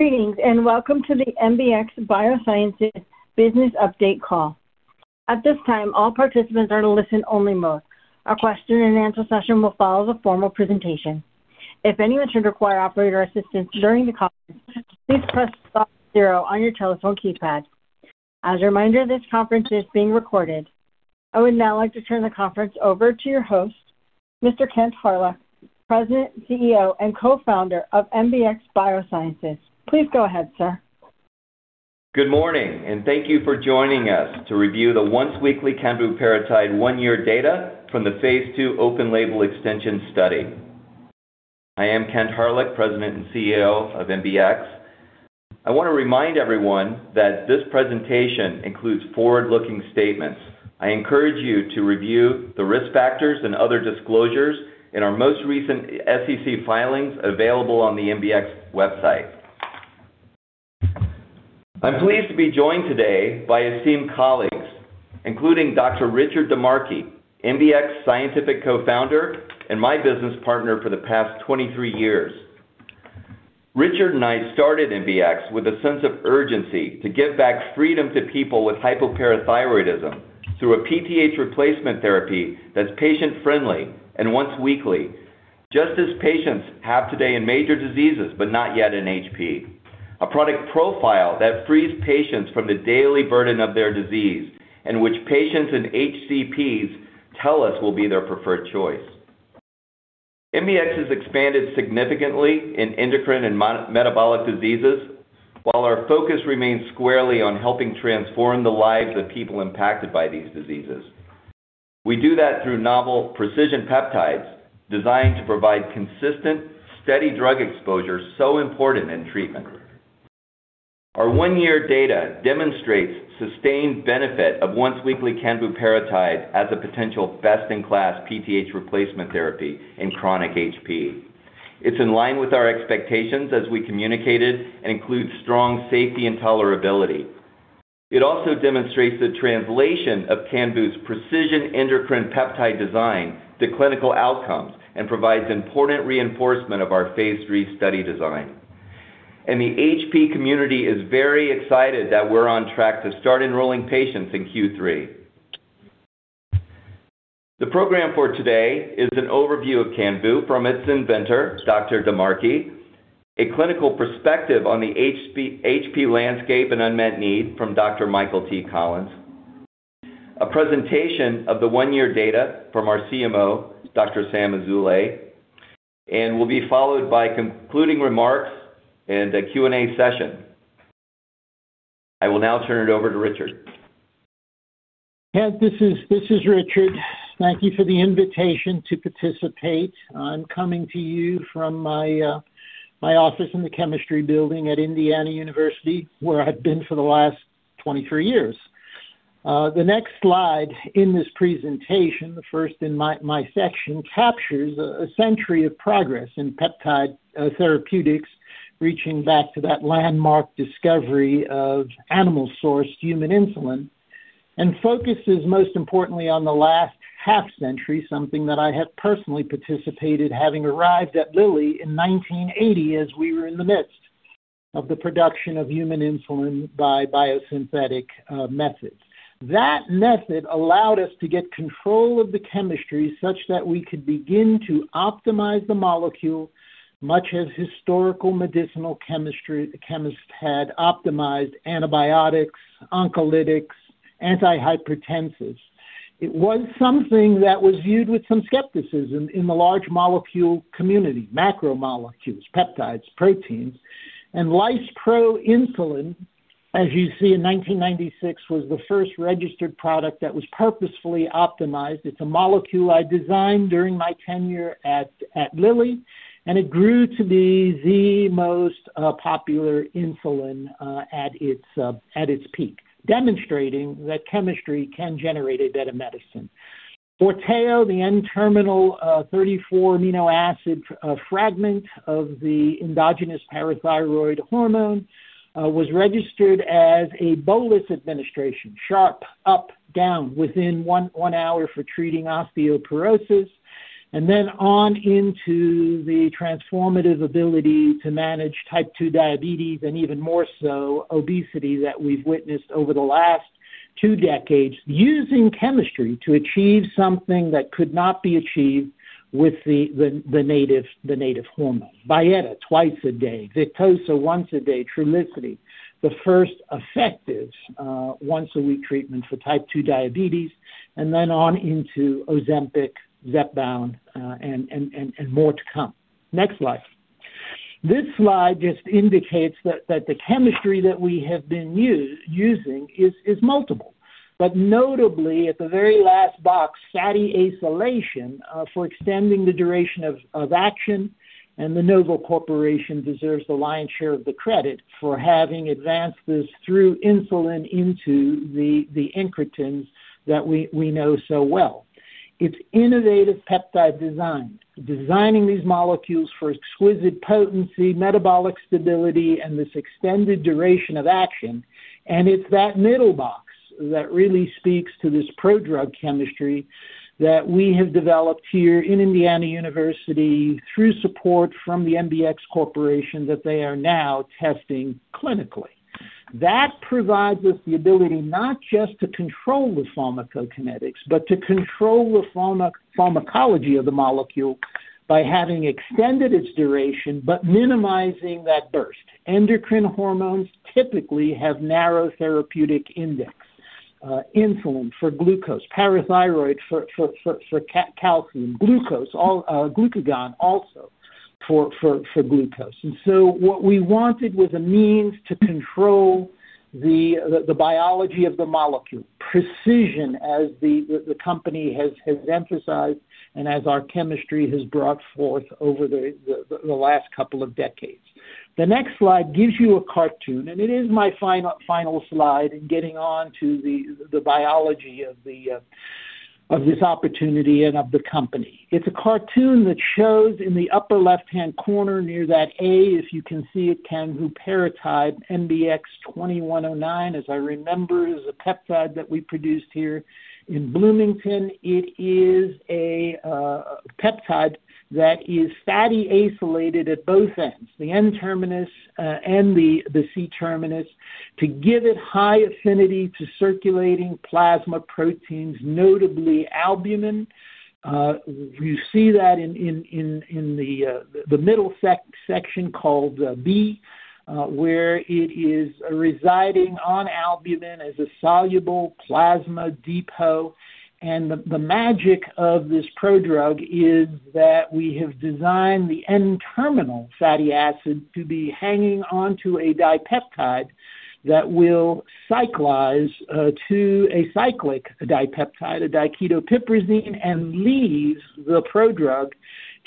Greetings, welcome to the MBX Biosciences business update call. At this time, all participants are in listen only mode. A question and answer session will follow the formal presentation. If anyone should require operator assistance during the call, please press star zero on your telephone keypad. As a reminder, this conference is being recorded. I would now like to turn the conference over to your host, Mr. Kent Hawryluk, President, CEO, and co-founder of MBX Biosciences. Please go ahead, sir. Good morning, thank you for joining us to review the once-weekly canvuparatide peptide one-year data from the Phase II open-label extension study. I am Kent Hawryluk, President and CEO of MBX. I want to remind everyone that this presentation includes forward-looking statements. I encourage you to review the risk factors and other disclosures in our most recent SEC filings, available on the MBX website. I'm pleased to be joined today by esteemed colleagues, including Dr. Richard DiMarchi, MBX Scientific Co-Founder, and my business partner for the past 23 years. Richard and I started MBX with a sense of urgency to give back freedom to people with hypoparathyroidism through a PTH replacement therapy that's patient friendly and once-weekly, just as patients have today in major diseases, but not yet in HP. A product profile that frees patients from the daily burden of their disease, and which patients and HCPs tell us will be their preferred choice. MBX has expanded significantly in endocrine and metabolic diseases, while our focus remains squarely on helping transform the lives of people impacted by these diseases. We do that through novel precision peptides designed to provide consistent, steady drug exposure so important in treatment. Our one-year data demonstrates sustained benefit of once-weekly canvuparatide peptide as a potential best-in-class PTH replacement therapy in chronic HP. It's in line with our expectations, as we communicated, and includes strong safety and tolerability. It also demonstrates the translation of canvuparatide's precision endocrine peptide design to clinical outcomes, and provides important reinforcement of our Phase III study design. The HP community is very excited that we're on track to start enrolling patients in Q3. The program for today is an overview of canvuparatide from its inventor, Dr. DiMarchi. A clinical perspective on the HP landscape and unmet need from Dr. Michael Collins. A presentation of the one-year data from our CMO, Dr. Sam Azoulay, and will be followed by concluding remarks and a Q&A session. I will now turn it over to Richard. Kent, this is Richard. Thank you for the invitation to participate. I am coming to you from my office in the chemistry building at Indiana University, where I have been for the last 23 years. The next slide in this presentation, the first in my section, captures a century of progress in peptide therapeutics, reaching back to that landmark discovery of animal-sourced human insulin, and focuses most importantly on the last half-century, something that I have personally participated, having arrived at Lilly in 1980 as we were in the midst of the production of human insulin by biosynthetic methods. That method allowed us to get control of the chemistry such that we could begin to optimize the molecule, much as historical medicinal chemists had optimized antibiotics, oncolytics, antihypertensives. It was something that was viewed with some skepticism in the large molecule community; macromolecules, peptides, proteins. Lyspro insulin, as you see, in 1996, was the first registered product that was purposefully optimized. It is a molecule I designed during my tenure at Lilly, and it grew to be the most popular insulin at its peak, demonstrating that chemistry can generate a better medicine. Forteo, the N-terminal 34 amino acid fragment of the endogenous parathyroid hormone, was registered as a bolus administration, sharp up, down within one hour for treating osteoporosis. Then on into the transformative ability to manage type 2 diabetes, and even more so, obesity that we have witnessed over the last two decades, using chemistry to achieve something that could not be achieved with the native hormone. Byetta, twice a day. Victoza, once a day. Trulicity, the first effective once a week treatment for type 2 diabetes. Then on into Ozempic, Zepbound, and more to come. Next slide. This slide just indicates that the chemistry that we have been using is multiple. But notably, at the very last box, acylation for extending the duration of action, and Novo Nordisk deserves the lion's share of the credit for having advanced this through insulin into the incretins that we know so well. It is innovative peptide design. Designing these molecules for exquisite potency, metabolic stability, and this extended duration of action. It is that middle box that really speaks to this prodrug chemistry that we have developed here in Indiana University through support from MBX Biosciences that they are now testing clinically. That provides us the ability not just to control the pharmacokinetics, but to control the pharmacology of the molecule by having extended its duration, but minimizing that burst. Endocrine hormones typically have narrow therapeutic index. Insulin for glucose, parathyroid for calcium, glucagon also for glucose. What we wanted was a means to control the biology of the molecule. Precision, as the company has emphasized, and as our chemistry has brought forth over the last couple of decades. The next slide gives you a cartoon, and it is my final slide in getting on to the biology of this opportunity and of the company. It is a cartoon that shows in the upper left-hand corner near that A, if you can see it, canvuparatide MBX-2109, as I remember, is a peptide that we produced here in Bloomington. It is a peptide that is fatty acylated at both ends, the N-terminus and the C-terminus, to give it high affinity to circulating plasma proteins, notably albumin. You see that in the middle section called B, where it is residing on albumin as a soluble plasma depot. The magic of this prodrug is that we have designed the N-terminal fatty acid to be hanging onto a dipeptide that will cyclize to a cyclic dipeptide, a diketopiperazine, and leaves the prodrug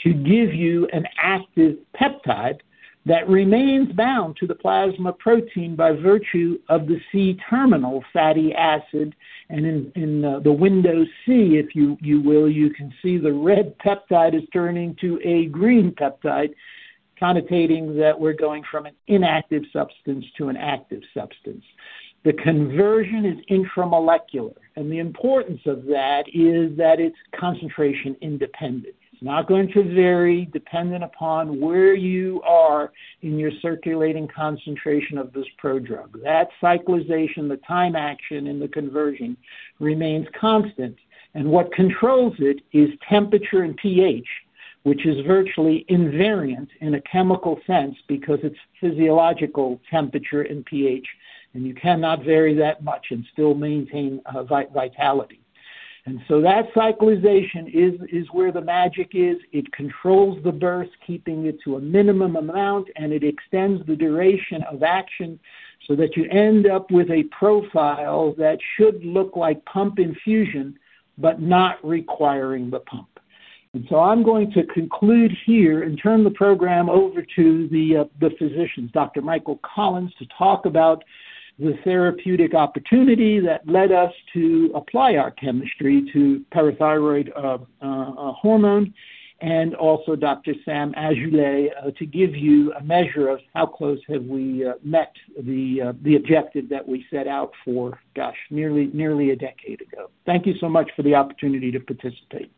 to give you an active peptide that remains bound to the plasma protein by virtue of the C-terminal fatty acid. In the window C, if you will, you can see the red peptide is turning to a green peptide, connoting that we're going from an inactive substance to an active substance. The conversion is intramolecular, and the importance of that is that it's concentration independence. It's not going to vary dependent upon where you are in your circulating concentration of this prodrug. That cyclization, the time action, and the conversion remains constant. What controls it is temperature and pH, which is virtually invariant in a chemical sense because it's physiological temperature and pH, and you cannot vary that much and still maintain vitality. That cyclization is where the magic is. It controls the burst, keeping it to a minimum amount, and it extends the duration of action so that you end up with a profile that should look like pump infusion, but not requiring the pump. I'm going to conclude here and turn the program over to the physicians, Dr. Michael Collins, to talk about the therapeutic opportunity that led us to apply our chemistry to parathyroid hormone, and also Dr. Sam Azoulay to give you a measure of how close have we met the objective that we set out for, gosh, nearly a decade ago. Thank you so much for the opportunity to participate.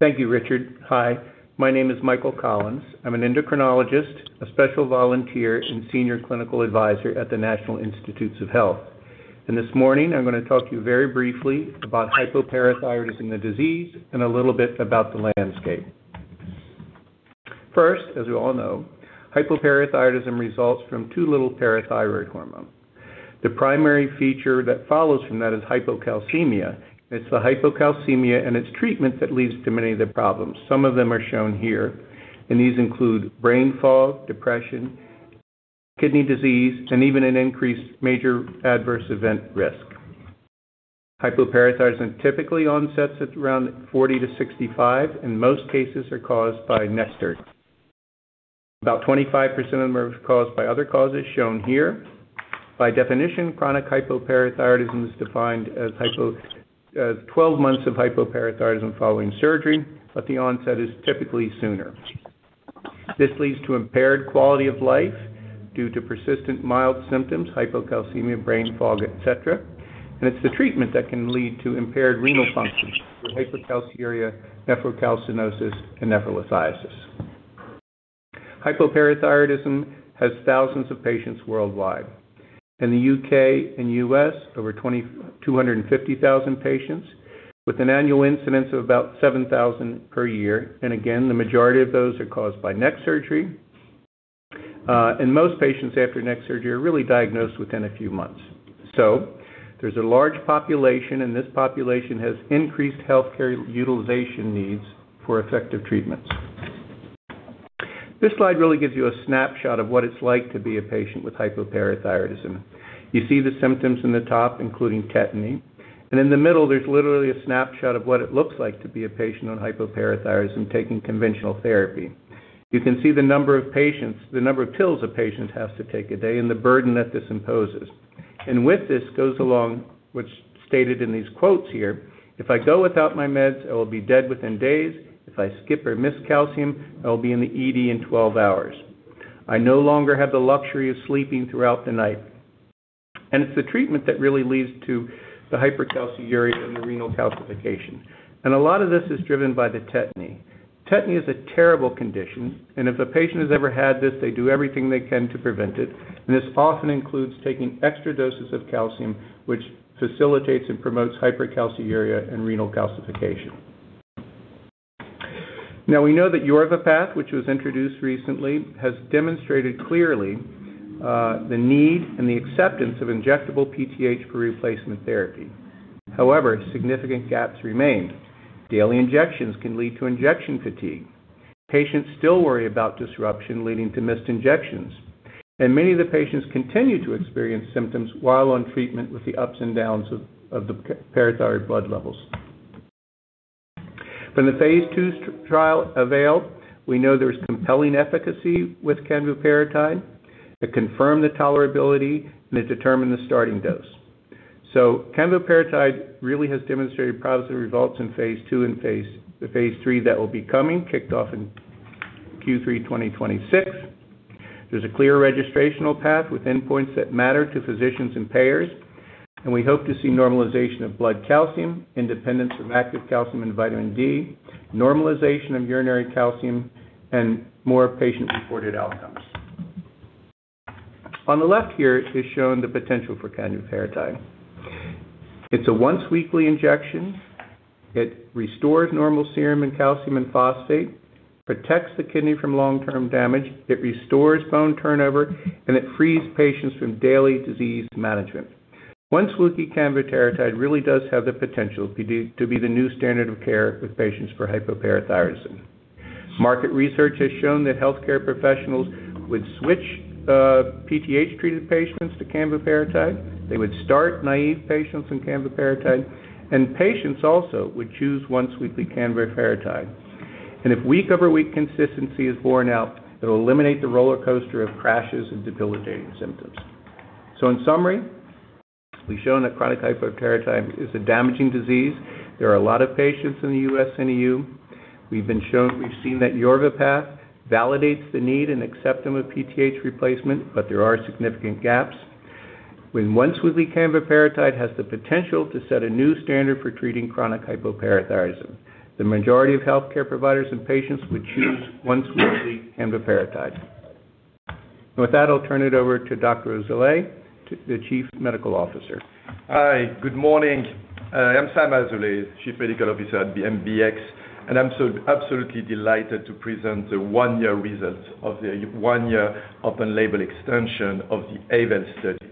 Thank you, Richard. Hi, my name is Michael Collins. I'm an endocrinologist, a special volunteer, and senior clinical advisor at the National Institutes of Health. This morning, I'm going to talk to you very briefly about hypoparathyroidism, the disease, and a little bit about the landscape. First, as we all know, hypoparathyroidism results from too little parathyroid hormone. The primary feature that follows from that is hypocalcemia. It's the hypocalcemia and its treatment that leads to many of the problems. Some of them are shown here, and these include brain fog, depression, kidney disease, and even an increased major adverse event risk. Hypoparathyroidism typically onsets at around 40 to 65, and most cases are caused by neck surgery. About 25% of them are caused by other causes shown here. By definition, chronic hypoparathyroidism is defined as 12 months of hypoparathyroidism following surgery, but the onset is typically sooner. This leads to impaired quality of life due to persistent mild symptoms, hypocalcemia, brain fog, et cetera. It's the treatment that can lead to impaired renal function through hypercalciuria, nephrocalcinosis, and nephrolithiasis. Hypoparathyroidism has thousands of patients worldwide. In the U.K. and U.S., over 250,000 patients with an annual incidence of about 7,000 per year. Again, the majority of those are caused by neck surgery. Most patients after neck surgery are really diagnosed within a few months. There's a large population, and this population has increased healthcare utilization needs for effective treatments. This slide really gives you a snapshot of what it's like to be a patient with hypoparathyroidism. You see the symptoms in the top, including tetany. In the middle, there's literally a snapshot of what it looks like to be a patient on hypoparathyroidism taking conventional therapy. You can see the number of pills a patient has to take a day and the burden that this imposes. With this goes along, which is stated in these quotes here, "If I go without my meds, I will be dead within days. If I skip or miss calcium, I will be in the ED in 12 hours. I no longer have the luxury of sleeping throughout the night." It's the treatment that really leads to the hypercalciuria and the renal calcification. A lot of this is driven by the tetany. Tetany is a terrible condition, if a patient has ever had this, they do everything they can to prevent it, this often includes taking extra doses of calcium, which facilitates and promotes hypercalciuria and renal calcification. We know that YORVIPATH, which was introduced recently, has demonstrated clearly the need and the acceptance of injectable PTH for replacement therapy. However, significant gaps remain. Daily injections can lead to injection fatigue. Patients still worry about disruption leading to missed injections, many of the patients continue to experience symptoms while on treatment with the ups and downs of the parathyroid blood levels. From the Phase II trial AVAIL, we know there's compelling efficacy with canvuparatide to confirm the tolerability and to determine the starting dose. Kanvuparatide really has demonstrated promising results in Phase II and the Phase III that will be coming, kicked off in Q3 2026. There's a clear registrational path with endpoints that matter to physicians and payers, we hope to see normalization of blood calcium, independence from active calcium and vitamin D, normalization of urinary calcium, and more patient-reported outcomes. On the left here is shown the potential for canvuparatide. It's a once-weekly injection. It restores normal serum and calcium and phosphate, protects the kidney from long-term damage. It restores bone turnover, it frees patients from daily disease management. Once-weekly canvuparatide really does have the potential to be the new standard of care with patients for hypoparathyroidism. Market research has shown that healthcare professionals would switch PTH-treated patients to canvuparatide. They would start naive patients on canvuparatide, patients also would choose once-weekly canvuparatide. If week-over-week consistency is borne out, it'll eliminate the rollercoaster of crashes and debilitating symptoms. In summary, we've shown that chronic hypoparathyroidism is a damaging disease. There are a lot of patients in the U.S. and EU. We've seen that YORVIPATH validates the need and acceptance of PTH replacement, there are significant gaps. Once-weekly canvuparatide has the potential to set a new standard for treating chronic hypoparathyroidism, the majority of healthcare professionals and patients would choose once-weekly canvuparatide. With that, I'll turn it over to Dr. Azoulay, the Chief Medical Officer. Hi. Good morning. I'm Sam Azoulay, Chief Medical Officer at MBX, and I'm absolutely delighted to present the one-year results of the one-year open-label extension of the AVAIL study,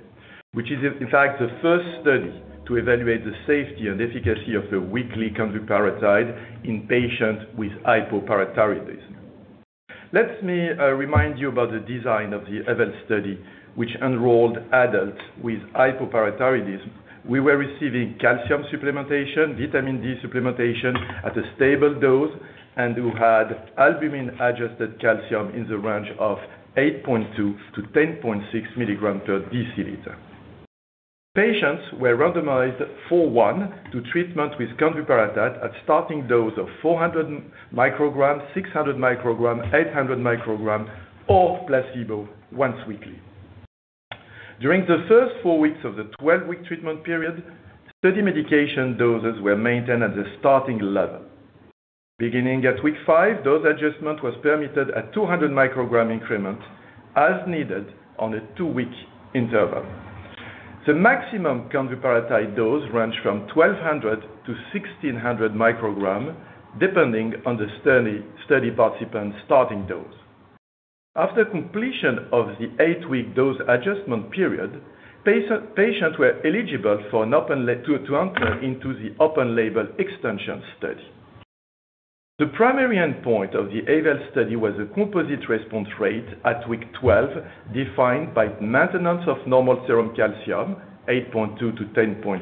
which is in fact the first study to evaluate the safety and efficacy of the weekly canvuparatide in patients with hypoparathyroidism. Let me remind you about the design of the AVAIL study, which enrolled adults with hypoparathyroidism who were receiving calcium supplementation, vitamin D supplementation at a stable dose, and who had albumin-adjusted calcium in the range of 8.2 mg/dL-10.6 mg/dL. Patients were randomized 4:1 to treatment with canvuparatide at starting dose of 400 micrograms, 600 micrograms, 800 micrograms or placebo once-weekly. During the first four weeks of the 12-week treatment period, study medication doses were maintained at the starting level. Beginning at week 5, dose adjustment was permitted at 200 microgram increments as needed on a two-week interval. The maximum canvuparatide dose ranged from 1,200 micrograms-1,600 micrograms depending on the study participant's starting dose. After completion of the eight-week dose adjustment period, patients were eligible for an open-label to enter into the open-label extension study. The primary endpoint of the AVAIL study was a composite response rate at week 12, defined by maintenance of normal serum calcium 8.2 to 10.6,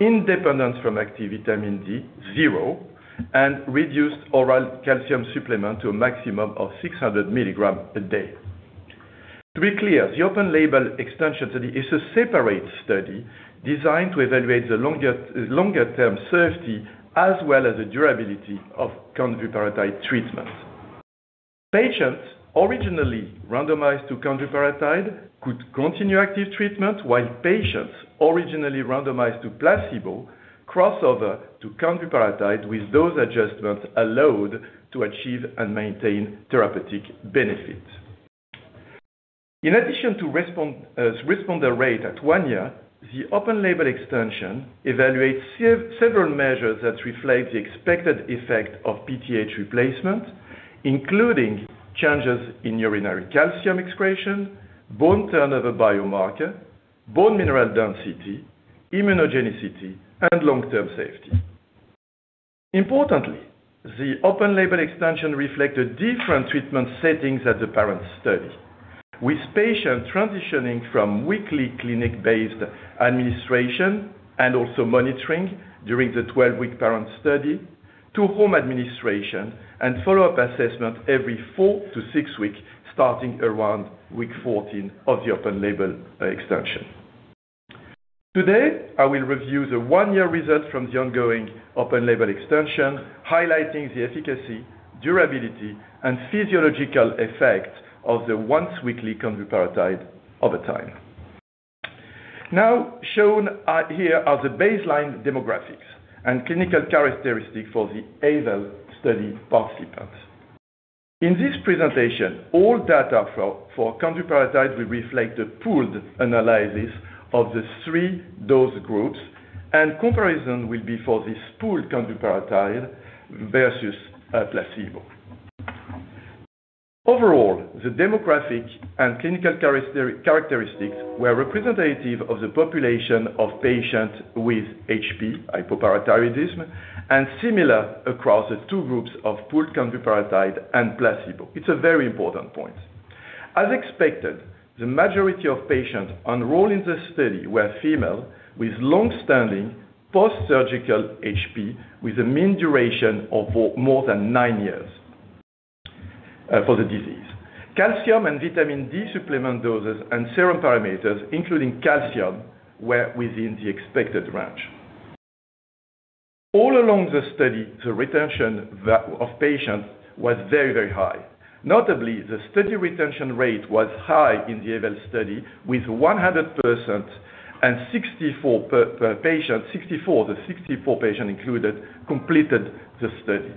independence from active vitamin D 0, and reduced oral calcium supplement to a maximum of 600 mg per day. To be clear, the open-label extension study is a separate study designed to evaluate the longer-term safety as well as the durability of canvuparatide treatment. Patients originally randomized to canvuparatide could continue active treatment while patients originally randomized to placebo crossover to canvuparatide with dose adjustments allowed to achieve and maintain therapeutic benefit. In addition to responder rate at one year, the open-label extension evaluates several measures that reflect the expected effect of PTH replacement, including changes in urinary calcium excretion, bone turnover biomarker, bone mineral density, immunogenicity, and long-term safety. Importantly, the open-label extension reflected different treatment settings at the parent study with patients transitioning from weekly clinic-based administration and also monitoring during the 12-week parent study to home administration and follow-up assessment every four to six weeks starting around week 14 of the open-label extension. Today, I will review the one-year results from the ongoing open-label extension, highlighting the efficacy, durability, and physiological effect of the once-weekly canvuparatide over time. Now, shown here are the baseline demographics and clinical characteristics for the AVAIL study participants. In this presentation, all data for canvuparatide will reflect the pooled analysis of the three dose groups, and comparison will be for this pooled canvuparatide versus placebo. Overall, the demographic and clinical characteristics were representative of the population of patients with HP, hypoparathyroidism, and similar across the two groups of pooled canvuparatide and placebo. It's a very important point. As expected, the majority of patients enrolled in the study were female with long-standing post-surgical HP, with a mean duration of more than nine years for the disease. Calcium and vitamin D supplement doses and serum parameters, including calcium, were within the expected range. All along the study, the retention of patients was very, very high. Notably, the study retention rate was high in the AVAIL study with 100% and the 64 patients included completed the study.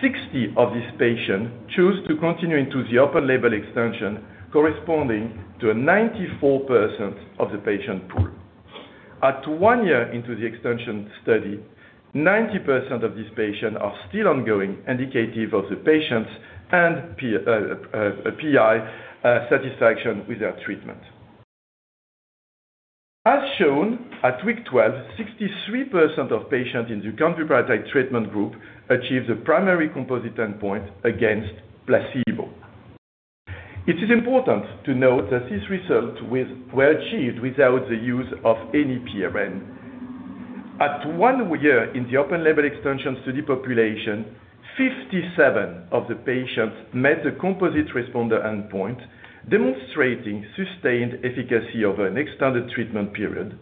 60 of these patients chose to continue into the open-label extension, corresponding to 94% of the patient pool. At one year into the extension study, 90% of these patients are still ongoing, indicative of the patients' and PI satisfaction with their treatment. As shown, at week 12, 63% of patients in the canvuparatide treatment group achieved the primary composite endpoint against placebo. It is important to note that these results were achieved without the use of any PRN. At one year in the open-label extension study population, 57 of the patients met the composite responder endpoint, demonstrating sustained efficacy over an extended treatment period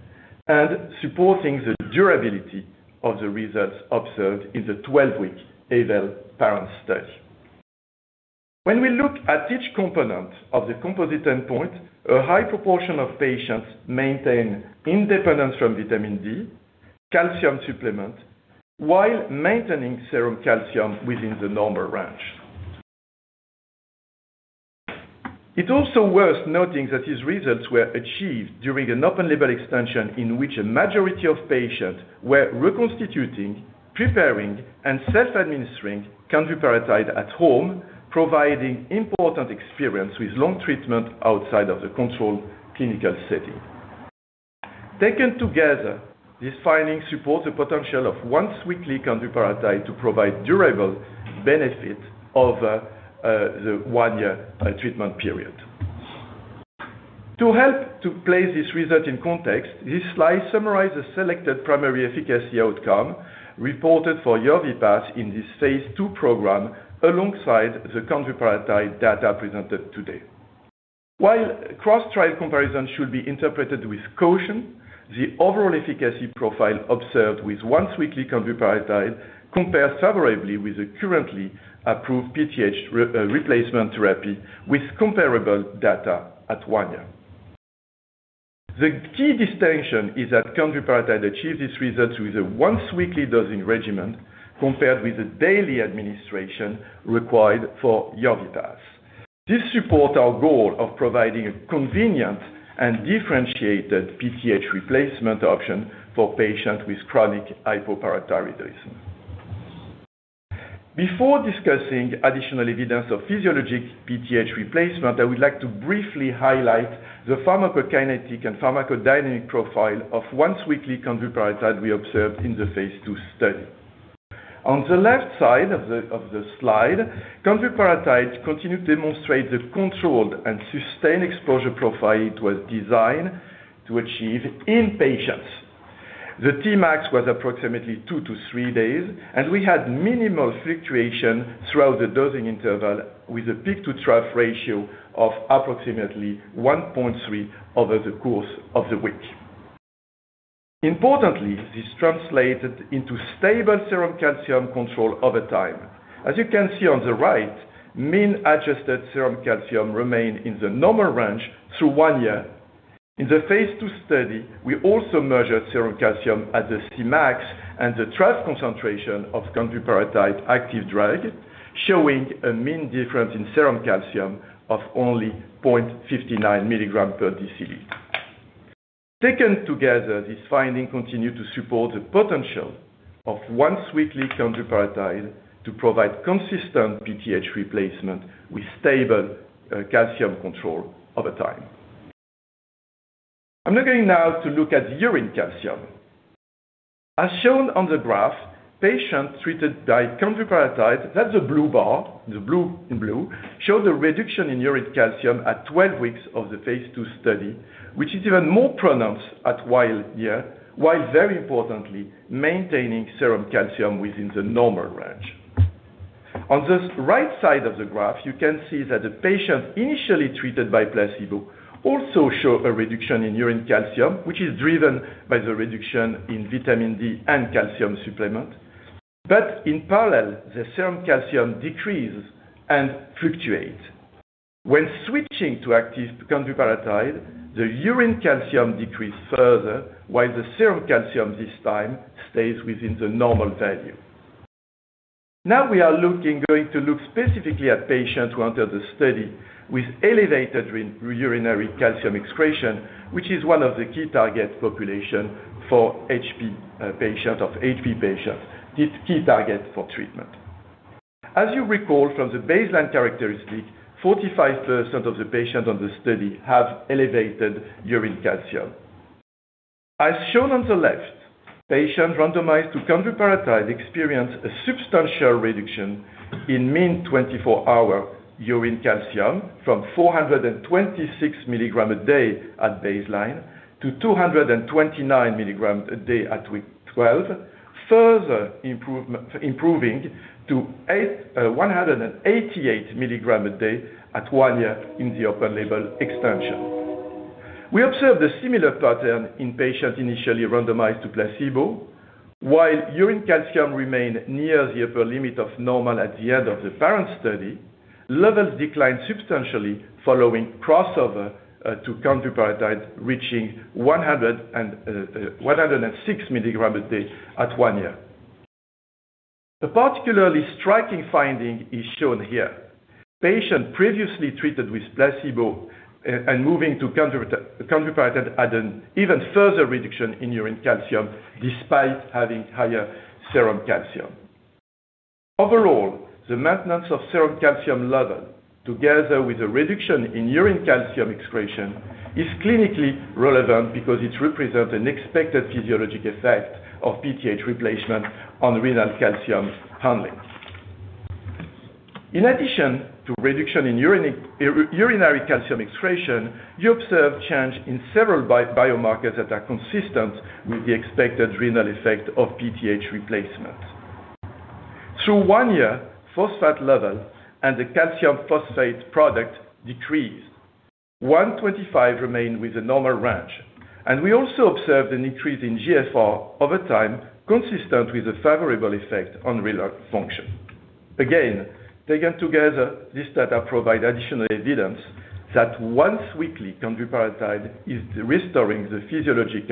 and supporting the durability of the results observed in the 12-week AVAIL parent study. When we look at each component of the composite endpoint, a high proportion of patients maintain independence from vitamin D, calcium supplement, while maintaining serum calcium within the normal range. It's also worth noting that these results were achieved during an open-label extension in which a majority of patients were reconstituting, preparing, and self-administering canvuparatide at home, providing important experience with long treatment outside of the controlled clinical setting. Taken together, these findings support the potential of once-weekly canvuparatide to provide durable benefit over the one-year treatment period. To help to place this result in context, this slide summarizes selected primary efficacy outcome reported for YORVIPATH in this Phase II program, alongside the canvuparatide data presented today. While cross-trial comparison should be interpreted with caution, the overall efficacy profile observed with once-weekly canvuparatide compares favorably with the currently approved PTH replacement therapy, with comparable data at one year. The key distinction is that canvuparatide achieved these results with a once-weekly dosing regimen compared with the daily administration required for YORVIPATH. This supports our goal of providing a convenient and differentiated PTH replacement option for patients with chronic hypoparathyroidism. Before discussing additional evidence of physiologic PTH replacement, I would like to briefly highlight the pharmacokinetic and pharmacodynamic profile of once-weekly canvuparatide we observed in the Phase II study. On the left side of the slide, canvuparatide continued to demonstrate the controlled and sustained exposure profile it was designed to achieve in patients. The Tmax was approximately two to three days, and we had minimal fluctuation throughout the dosing interval with a peak-to-trough ratio of approximately 1.3 over the course of the week. Importantly, this translated into stable serum calcium control over time. As you can see on the right, mean adjusted serum calcium remained in the normal range through one year. In the Phase II study, we also measured serum calcium at the Cmax and the trough concentration of canvuparatide active drug, showing a mean difference in serum calcium of only 0.59 mg/dL. Taken together, these finding continue to support the potential of once-weekly canvuparatide to provide consistent PTH replacement with stable calcium control over time. I'm looking now to look at urine calcium. As shown on the graph, patients treated by canvuparatide, that's the blue bar, the blue show the reduction in urine calcium at 12 weeks of the Phase II study, which is even more pronounced at one year, while very importantly, maintaining serum calcium within the normal range. On the right side of the graph, you can see that the patient initially treated by placebo also show a reduction in urine calcium, which is driven by the reduction in vitamin D and calcium supplement. In parallel, the serum calcium decreases and fluctuates. When switching to active canvuparatide, the urine calcium decrease further, while the serum calcium this time stays within the normal value. We are going to look specifically at patients who entered the study with elevated urinary calcium excretion, which is one of the key target population of HP patients. This is a key target for treatment. As you recall from the baseline characteristic, 45% of the patients on the study have elevated urine calcium. As shown on the left, patients randomized to canvuparatide experience a substantial reduction in mean 24-hour urine calcium from 426 mg a day at baseline to 229 mg a day at week 12. Further improving to 188 mg a day at one year in the open-label extension. We observed a similar pattern in patients initially randomized to placebo, while urine calcium remained near the upper limit of normal at the end of the parent study. Levels declined substantially following crossover to canvuparatide, reaching 106 mg a day at one year. The particularly striking finding is shown here. Patient previously treated with placebo and moving to canvuparatide had an even further reduction in urine calcium despite having higher serum calcium. Overall, the maintenance of serum calcium level together with a reduction in urine calcium excretion is clinically relevant because it represents an expected physiologic effect of PTH replacement on renal calcium handling. In addition to reduction in urinary calcium excretion, you observe change in several biomarkers that are consistent with the expected renal effect of PTH replacement. Through one year, phosphate level and the calcium phosphate product decreased. 125 remained with the normal range, and we also observed an increase in GFR over time, consistent with a favorable effect on renal function. Again, taken together, this data provide additional evidence that once-weekly canvuparatide is restoring the physiologic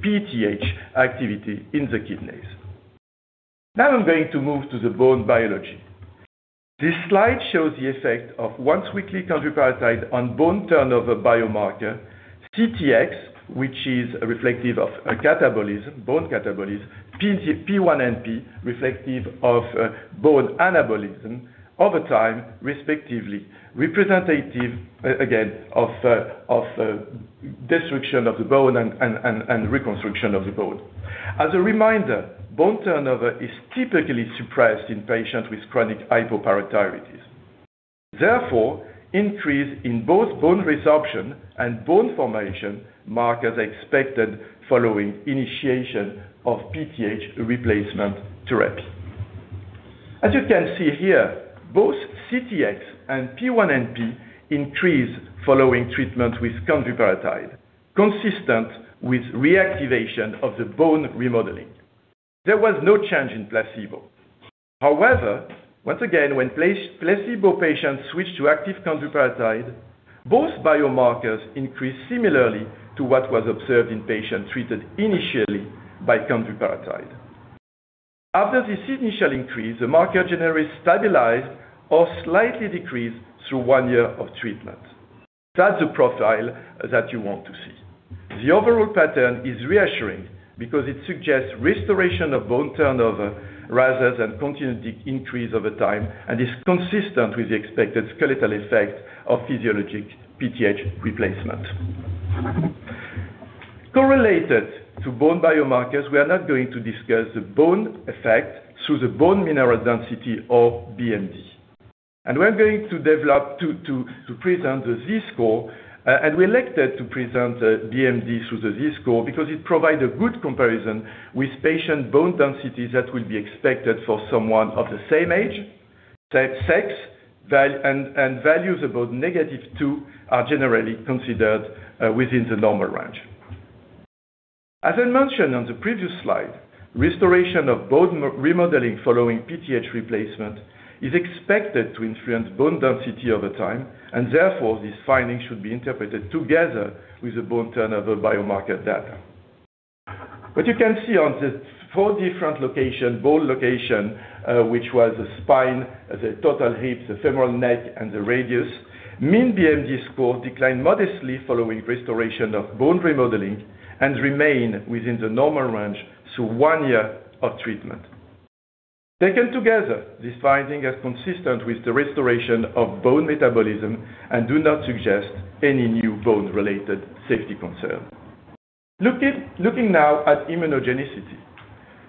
PTH activity in the kidneys. I'm going to move to the bone biology. This slide shows the effect of once-weekly canvuparatide on bone turnover biomarker CTX, which is reflective of bone catabolism, and P1NP, reflective of bone anabolism over time, respectively, representative again of destruction of the bone and reconstruction of the bone. As a reminder, bone turnover is typically suppressed in patients with chronic hypoparathyroidism, therefore increase in both bone resorption and bone formation markers expected following initiation of PTH replacement therapy. As you can see here, both CTX and P1NP increase following treatment with canvuparatide, consistent with reactivation of the bone remodeling. There was no change in placebo. Once again, when placebo patients switched to active canvuparatide, both biomarkers increased similarly to what was observed in patients treated initially by canvuparatide. After this initial increase, the marker generally stabilized or slightly decreased through one year of treatment. That's a profile that you want to see. The overall pattern is reassuring because it suggests restoration of bone turnover rather than continued increase over time, and is consistent with the expected skeletal effect of physiologic PTH replacement. Correlated to bone biomarkers, we are now going to discuss the bone effect through the bone mineral density or BMD. We are going to present the Z-score, and we elected to present the BMD through the Z-score because it provide a good comparison with patient bone densities that will be expected for someone of the same age, sex, and values above -2 are generally considered within the normal range. As I mentioned on the previous slide, restoration of bone remodeling following PTH replacement is expected to influence bone density over time, and therefore this finding should be interpreted together with the bone turnover biomarker data. You can see on the four different bone location, which was the spine, the total hip, the femoral neck, and the radius, mean BMD score declined modestly following restoration of bone remodeling and remained within the normal range through one year of treatment. Taken together, this finding is consistent with the restoration of bone metabolism and do not suggest any new bone-related safety concern. Looking now at immunogenicity.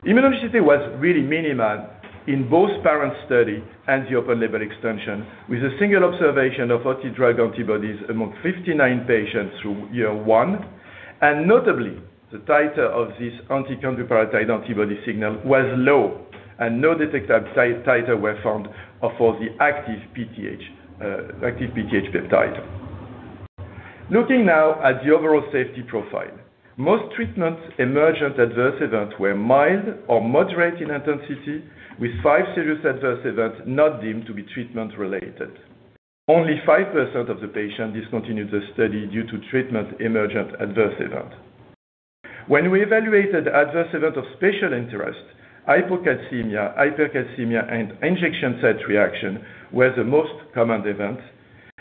Immunogenicity was really minimal in both parent study and the open-label extension, with a single observation of anti-drug antibodies among 59 patients through one year. Notably, the titer of this anti-canvuparatide antibody signal was low, and no detectable titer were found for the active PTH peptide. Looking now at the overall safety profile. Most treatment emergent adverse events were mild or moderate in intensity, with five serious adverse events not deemed to be treatment related. Only 5% of the patients discontinued the study due to treatment emergent adverse event. When we evaluated adverse event of special interest, hypocalcemia, hypercalcemia, and injection site reaction were the most common event,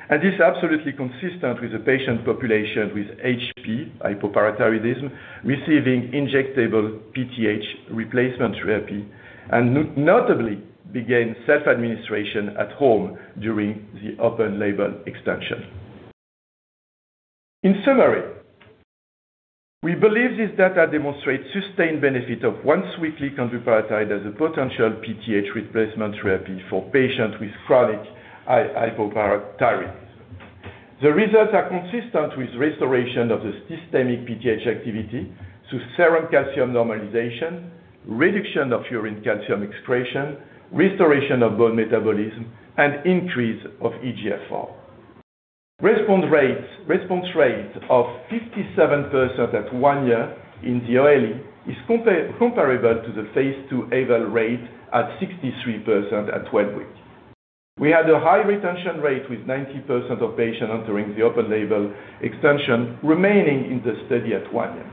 and is absolutely consistent with the patient population with HP, hypoparathyroidism, receiving injectable PTH replacement therapy, and notably began self-administration at home during the open-label extension. In summary, we believe these data demonstrate sustained benefit of once-weekly canvuparatide as a potential PTH replacement therapy for patients with chronic hypoparathyroidism. The results are consistent with restoration of the systemic PTH activity through serum calcium normalization, reduction of urine calcium excretion, restoration of bone metabolism, and increase of eGFR. Response rate of 57% at one year in the OLE is comparable to the Phase II AVAIL rate at 63% at 12 weeks. We had a high retention rate with 90% of patients entering the open-label extension remaining in the study at one year.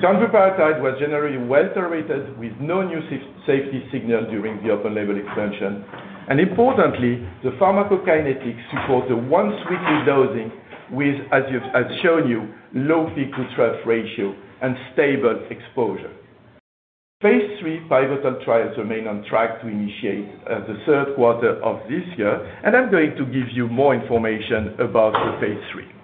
Kanvuparatide was generally well-tolerated, with no new safety signal during the open-label extension, and importantly, the pharmacokinetics support the once-weekly dosing with, as I've shown you, low peak to trough ratio and stable exposure. Phase III pivotal trials remain on track to initiate the third quarter of this year, and I'm going to give you more information about the Phase III.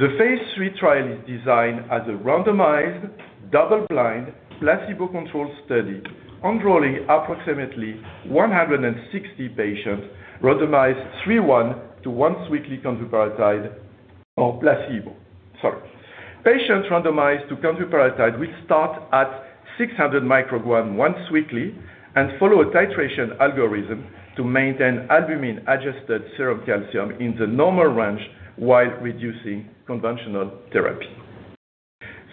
The Phase III trial is designed as a randomized, double-blind, placebo-controlled study, enrolling approximately 160 patients randomized 3:1 to once-weekly canvuparatide or placebo. Sorry. Patients randomized to canvuparatide will start at 600 micrograms once-weekly and follow a titration algorithm to maintain albumin-adjusted serum calcium in the normal range while reducing conventional therapy.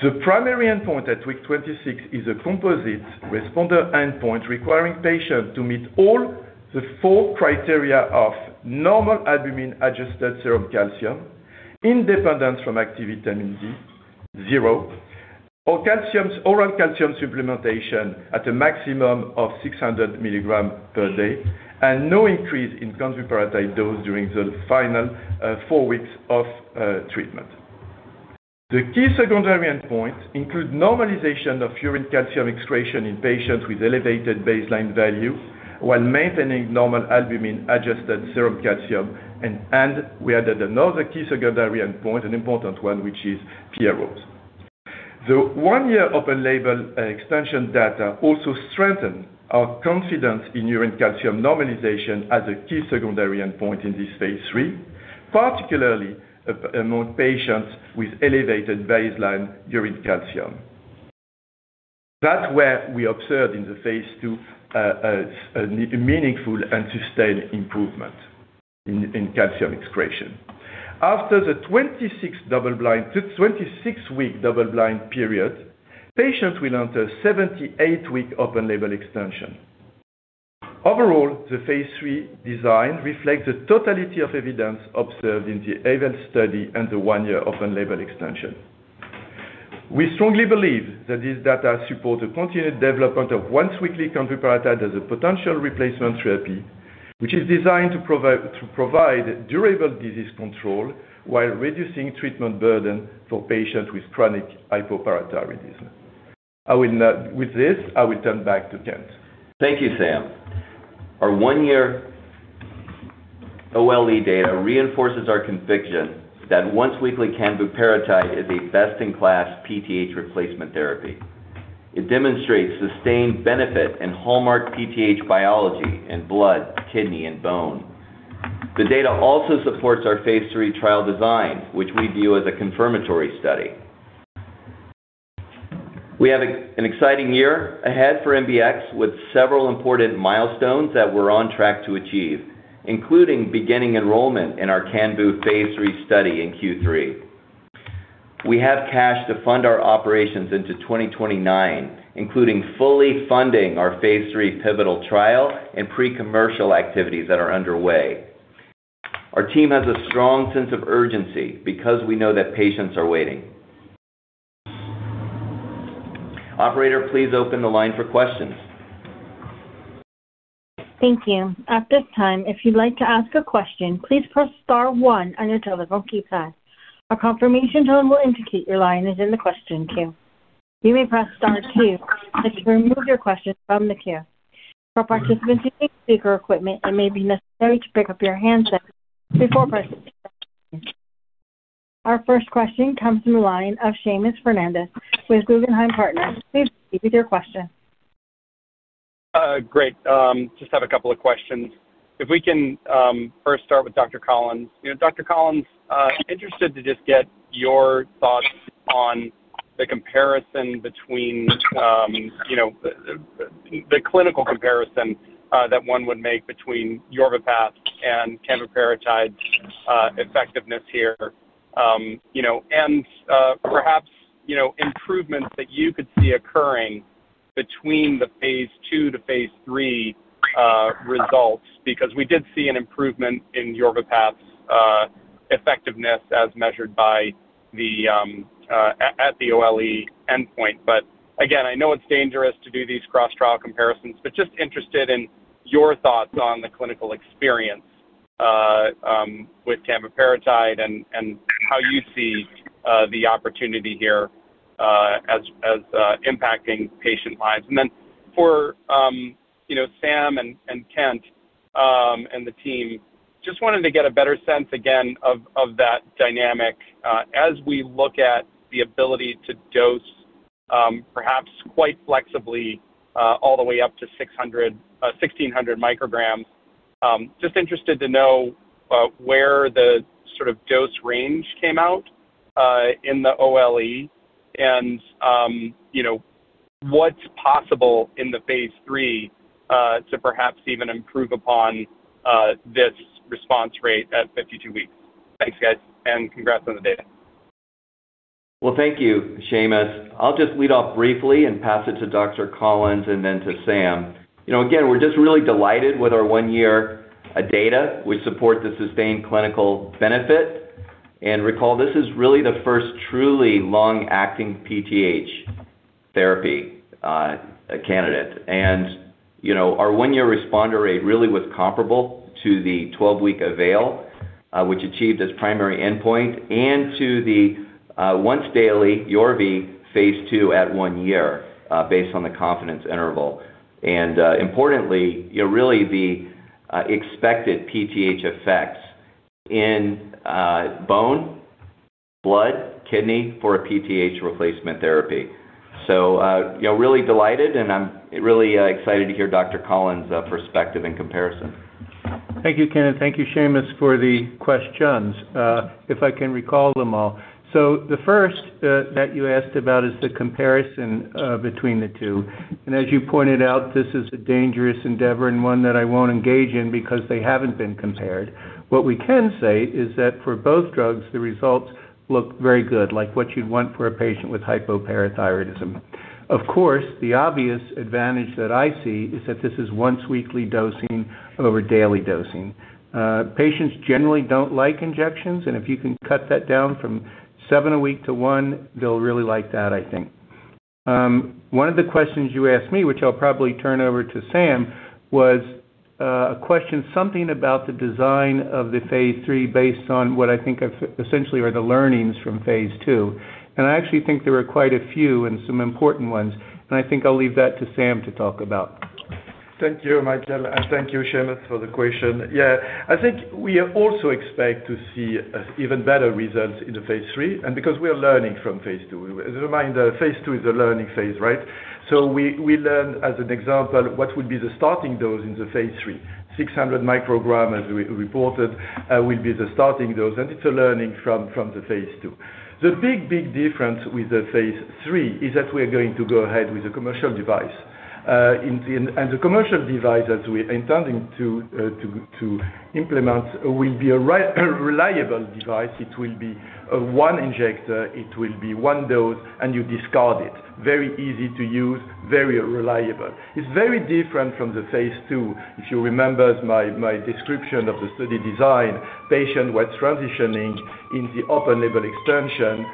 The primary endpoint at week 26 is a composite responder endpoint requiring patient to meet all the four criteria of normal albumin-adjusted serum calcium, independence from active vitamin D, zero oral calcium supplementation at a maximum of 600 mg per day, and no increase in canvuparatide dose during the final four weeks of treatment. The key secondary endpoint include normalization of urine calcium excretion in patients with elevated baseline value while maintaining normal albumin-adjusted serum calcium, and we added another key secondary endpoint, an important one, which is PROs. The one-year open-label extension data also strengthen our confidence in urine calcium normalization as a key secondary endpoint in this Phase III, particularly among patients with elevated baseline urine calcium. That's where we observed in the Phase II, a meaningful and sustained improvement in calcium excretion. After the 26-week double-blind period, patients will enter 78-week open-label extension. Overall, the Phase III design reflects the totality of evidence observed in the AVAIL study and the one-year open-label extension. We strongly believe that these data support the continued development of once-weekly canvuparatide as a potential replacement therapy, which is designed to provide durable disease control while reducing treatment burden for patients with chronic hypoparathyroidism. With this, I will turn back to Kent. Thank you, Sam. Our one-year OLE data reinforces our conviction that once-weekly canvuparatide is a best-in-class PTH replacement therapy. It demonstrates sustained benefit in hallmark PTH biology in blood, kidney, and bone. The data also supports our Phase III trial design, which we view as a confirmatory study. We have an exciting year ahead for MBX, with several important milestones that we're on track to achieve, including beginning enrollment in our canvuparatide Phase III study in Q3. We have cash to fund our operations into 2029, including fully funding our Phase III pivotal trial and pre-commercial activities that are underway. Our team has a strong sense of urgency because we know that patients are waiting. Operator, please open the line for questions. Thank you. At this time, if you'd like to ask a question, please press star one on your telephone keypad. A confirmation tone will indicate your line is in the question queue. You may press star two if you remove your question from the queue. For participants using speaker equipment, it may be necessary to pick up your handset before pressing star two. Our first question comes from the line of Seamus Fernandez with Guggenheim Partners. Please proceed with your question Great. Just have a couple of questions. If we can first start with Dr. Michael Collins. Dr. Michael Collins, interested to just get your thoughts on the clinical comparison that one would make between YORVIPATH and canvuparatide effectiveness here. Perhaps, improvements that you could see occurring between the Phase II to Phase III results, because we did see an improvement in YORVIPATH's effectiveness as measured at the OLE endpoint. Again, I know it's dangerous to do these cross-trial comparisons, but just interested in your thoughts on the clinical experience with canvuparatide and how you see the opportunity here as impacting patient lives. Then for Sam and Kent and the team, just wanted to get a better sense again of that dynamic as we look at the ability to dose perhaps quite flexibly all the way up to 1,600 micrograms. Just interested to know where the sort of dose range came out in the OLE and what's possible in the Phase III to perhaps even improve upon this response rate at 52 weeks. Thanks, guys, and congrats on the data. Well, thank you, Seamus. I'll just lead off briefly and pass it to Dr. Michael Collins and then to Sam. Again, we're just really delighted with our one-year data, which support the sustained clinical benefit. Recall, this is really the first truly long-acting PTH therapy candidate. Our one-year responder rate really was comparable to the 12-week AVAIL, which achieved its primary endpoint, and to the once-daily YORVIPATH Phase II at one year based on the confidence interval. Importantly, really the expected PTH effects in bone, blood, kidney for a PTH replacement therapy. Really delighted and I'm really excited to hear Dr. Michael Collins' perspective and comparison. Thank you, Kent, and thank you, Seamus, for the questions if I can recall them all. The first that you asked about is the comparison between the two. As you pointed out, this is a dangerous endeavor and one that I won't engage in because they haven't been compared. What we can say is that for both drugs, the results look very good, like what you'd want for a patient with hypoparathyroidism. Of course, the obvious advantage that I see is that this is once-weekly dosing over daily dosing. Patients generally don't like injections, and if you can cut that down from seven a week to one, they'll really like that, I think. One of the questions you asked me, which I'll probably turn over to Sam, was a question something about the design of the Phase III based on what I think essentially are the learnings from Phase II. I actually think there are quite a few and some important ones. I think I'll leave that to Sam to talk about. Thank you, Michael, and thank you, Seamus, for the question. I think we also expect to see even better results in the Phase III because we are learning from Phase II. As a reminder, Phase II is a learning phase, right? We learn as an example, what would be the starting dose in the Phase III, 600 micrograms as we reported will be the starting dose. It's a learning from the Phase II. The big, big difference with the Phase III is that we are going to go ahead with a commercial device. The commercial device as we are intending to implement will be a reliable device. It will be one injector, it will be one dose, and you discard it. Very easy to use, very reliable. It's very different from the Phase II. If you remember my description of the study design, patient was transitioning in the open-label extension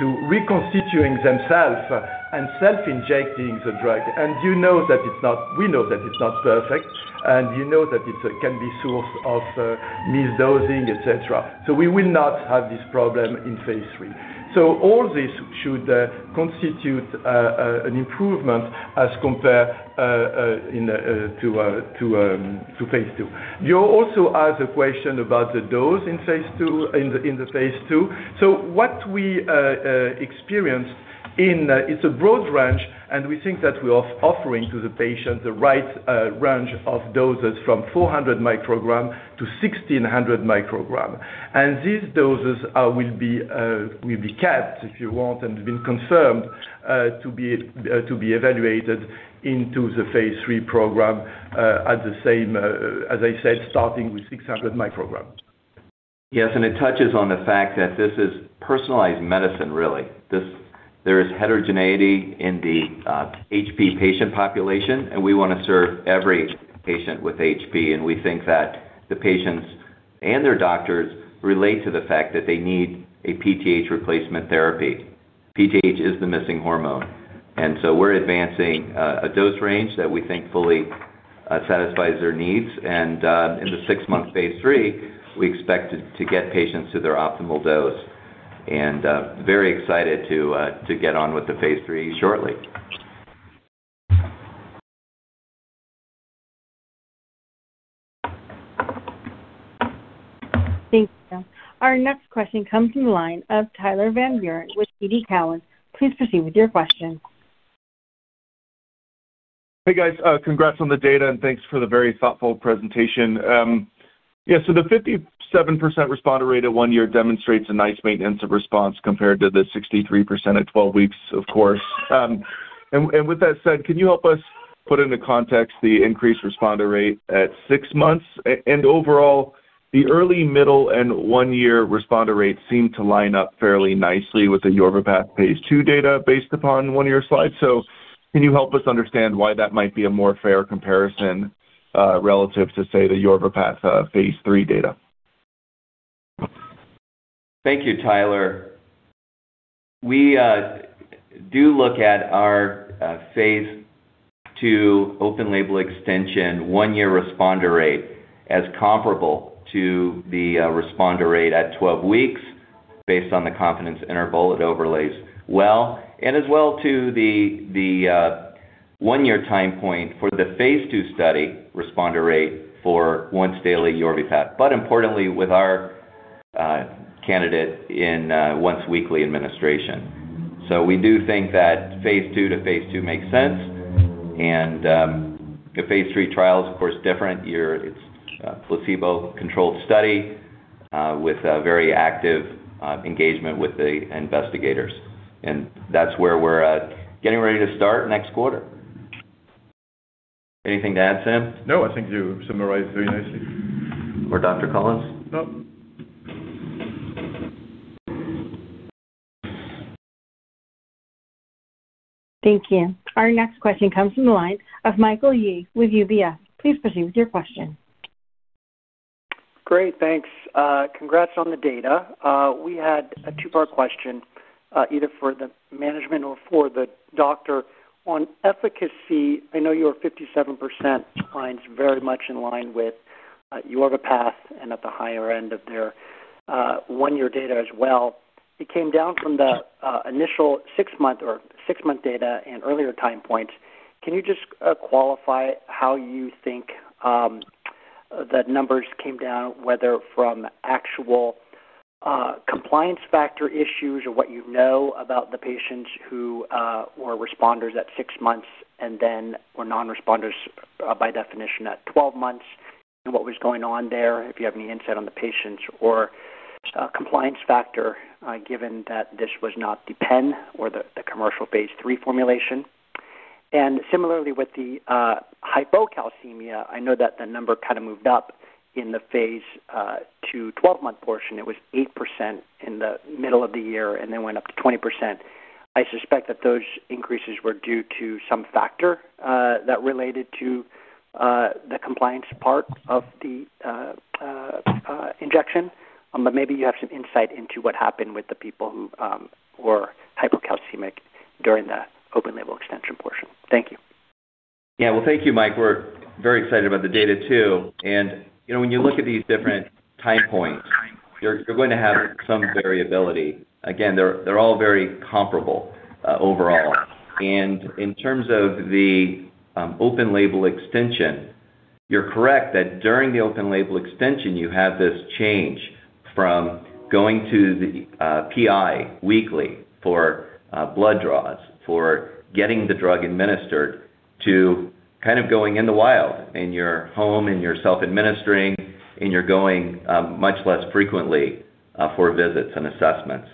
to reconstituting themselves and self-injecting the drug. We know that it's not perfect, and we know that it can be source of misdosing, et cetera. We will not have this problem in Phase III. All this should constitute an improvement as compared to Phase II. You also asked a question about the dose in the Phase II. What we experienced in, it's a broad range. We think that we are offering to the patient the right range of doses from 400 micrograms to 1,600 micrograms. These doses will be kept, if you want, and have been confirmed to be evaluated into the Phase III program at the same as I said, starting with 600 micrograms. It touches on the fact that this is personalized medicine really. There is heterogeneity in the HP patient population. We want to serve every patient with HP. We think that the patients and their doctors relate to the fact that they need a PTH replacement therapy. PTH is the missing hormone. We're advancing a dose range that we think fully satisfies their needs. In the six-month Phase III, we expect to get patients to their optimal dose. Very excited to get on with the Phase III shortly. Thanks. Our next question comes from the line of Tyler Van Buren with TD Cowen. Please proceed with your question. Hey, guys. Congrats on the data, and thanks for the very thoughtful presentation. The 57% responder rate at one year demonstrates a nice maintenance of response compared to the 63% at 12 weeks, of course. With that said, can you help us put into context the increased responder rate at six months? Overall, the early, middle, and one-year responder rates seem to line up fairly nicely with the YORVIPATH Phase II data based upon one of your slides. Can you help us understand why that might be a more fair comparison, relative to, say, the YORVIPATH Phase III data? Thank you, Tyler. We do look at our Phase II open-label extension one-year responder rate as comparable to the responder rate at 12 weeks based on the confidence interval it overlays well, and as well to the one-year time point for the Phase II study responder rate for once-daily YORVIPATH. Importantly, with our candidate in once-weekly administration. We do think that Phase II to Phase II makes sense, and the Phase III trial is, of course, different. It's a placebo-controlled study with very active engagement with the investigators, and that's where we're at, getting ready to start next quarter. Anything to add, Sam? No, I think you summarized very nicely. Dr. Collins? No. Thank you. Our next question comes from the line of Michael Yee with UBS. Please proceed with your question. Great. Thanks. Congrats on the data. We had a two-part question, either for the management or for the doctor. On efficacy, I know your 57% finds very much in line with YORVIPATH and at the higher end of their one-year data as well. It came down from the initial six-month data and earlier time points. Can you just qualify how you think the numbers came down, whether from actual compliance factor issues or what you know about the patients who were responders at six months and then were non-responders by definition at 12 months, and what was going on there? Do you have any insight on the patients or compliance factor, given that this was not the pen or the commercial Phase III formulation? Similarly, with the hypocalcemia, I know that the number moved up in the Phase II 12-month portion. It was 8% in the middle of the year. Then went up to 20%. I suspect that those increases were due to some factor that related to the compliance part of the injection. Maybe you have some insight into what happened with the people who were hypocalcemic during that open-label extension portion. Thank you. Well, thank you, Mike. We're very excited about the data, too. When you look at these different time points, you're going to have some variability. Again, they're all very comparable overall. In terms of the open-label extension, you're correct that during the open-label extension, you have this change from going to the PI weekly for blood draws, for getting the drug administered, to going in the wild in your home and you're self-administering, and you're going much less frequently for visits and assessments.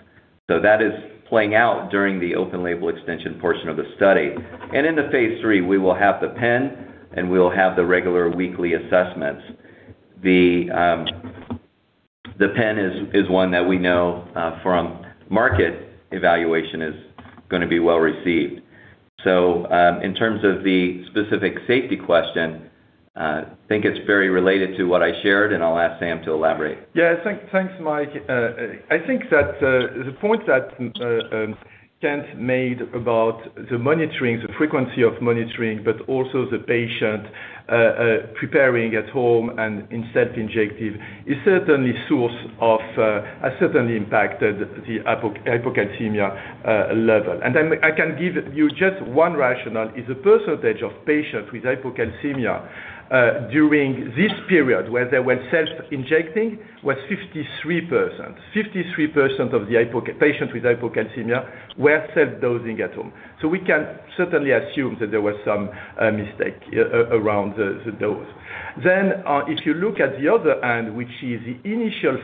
That is playing out during the open-label extension portion of the study. Into Phase III, we will have the pen, and we will have the regular weekly assessments. The pen is one that we know from market evaluation is going to be well-received. In terms of the specific safety question, I think it's very related to what I shared, I'll ask Sam to elaborate. Thanks, Mike. I think that the point that Kent made about the monitoring, the frequency of monitoring, but also the patient preparing at home and in self-injective has certainly impacted the hypocalcemia level. I can give you just one rationale, is the percentage of patients with hypocalcemia during this period where they were self-injecting was 53%. 53% of the patients with hypocalcemia were self-dosing at home. We can certainly assume that there was some mistake around the dose. If you look at the other end, which is the initial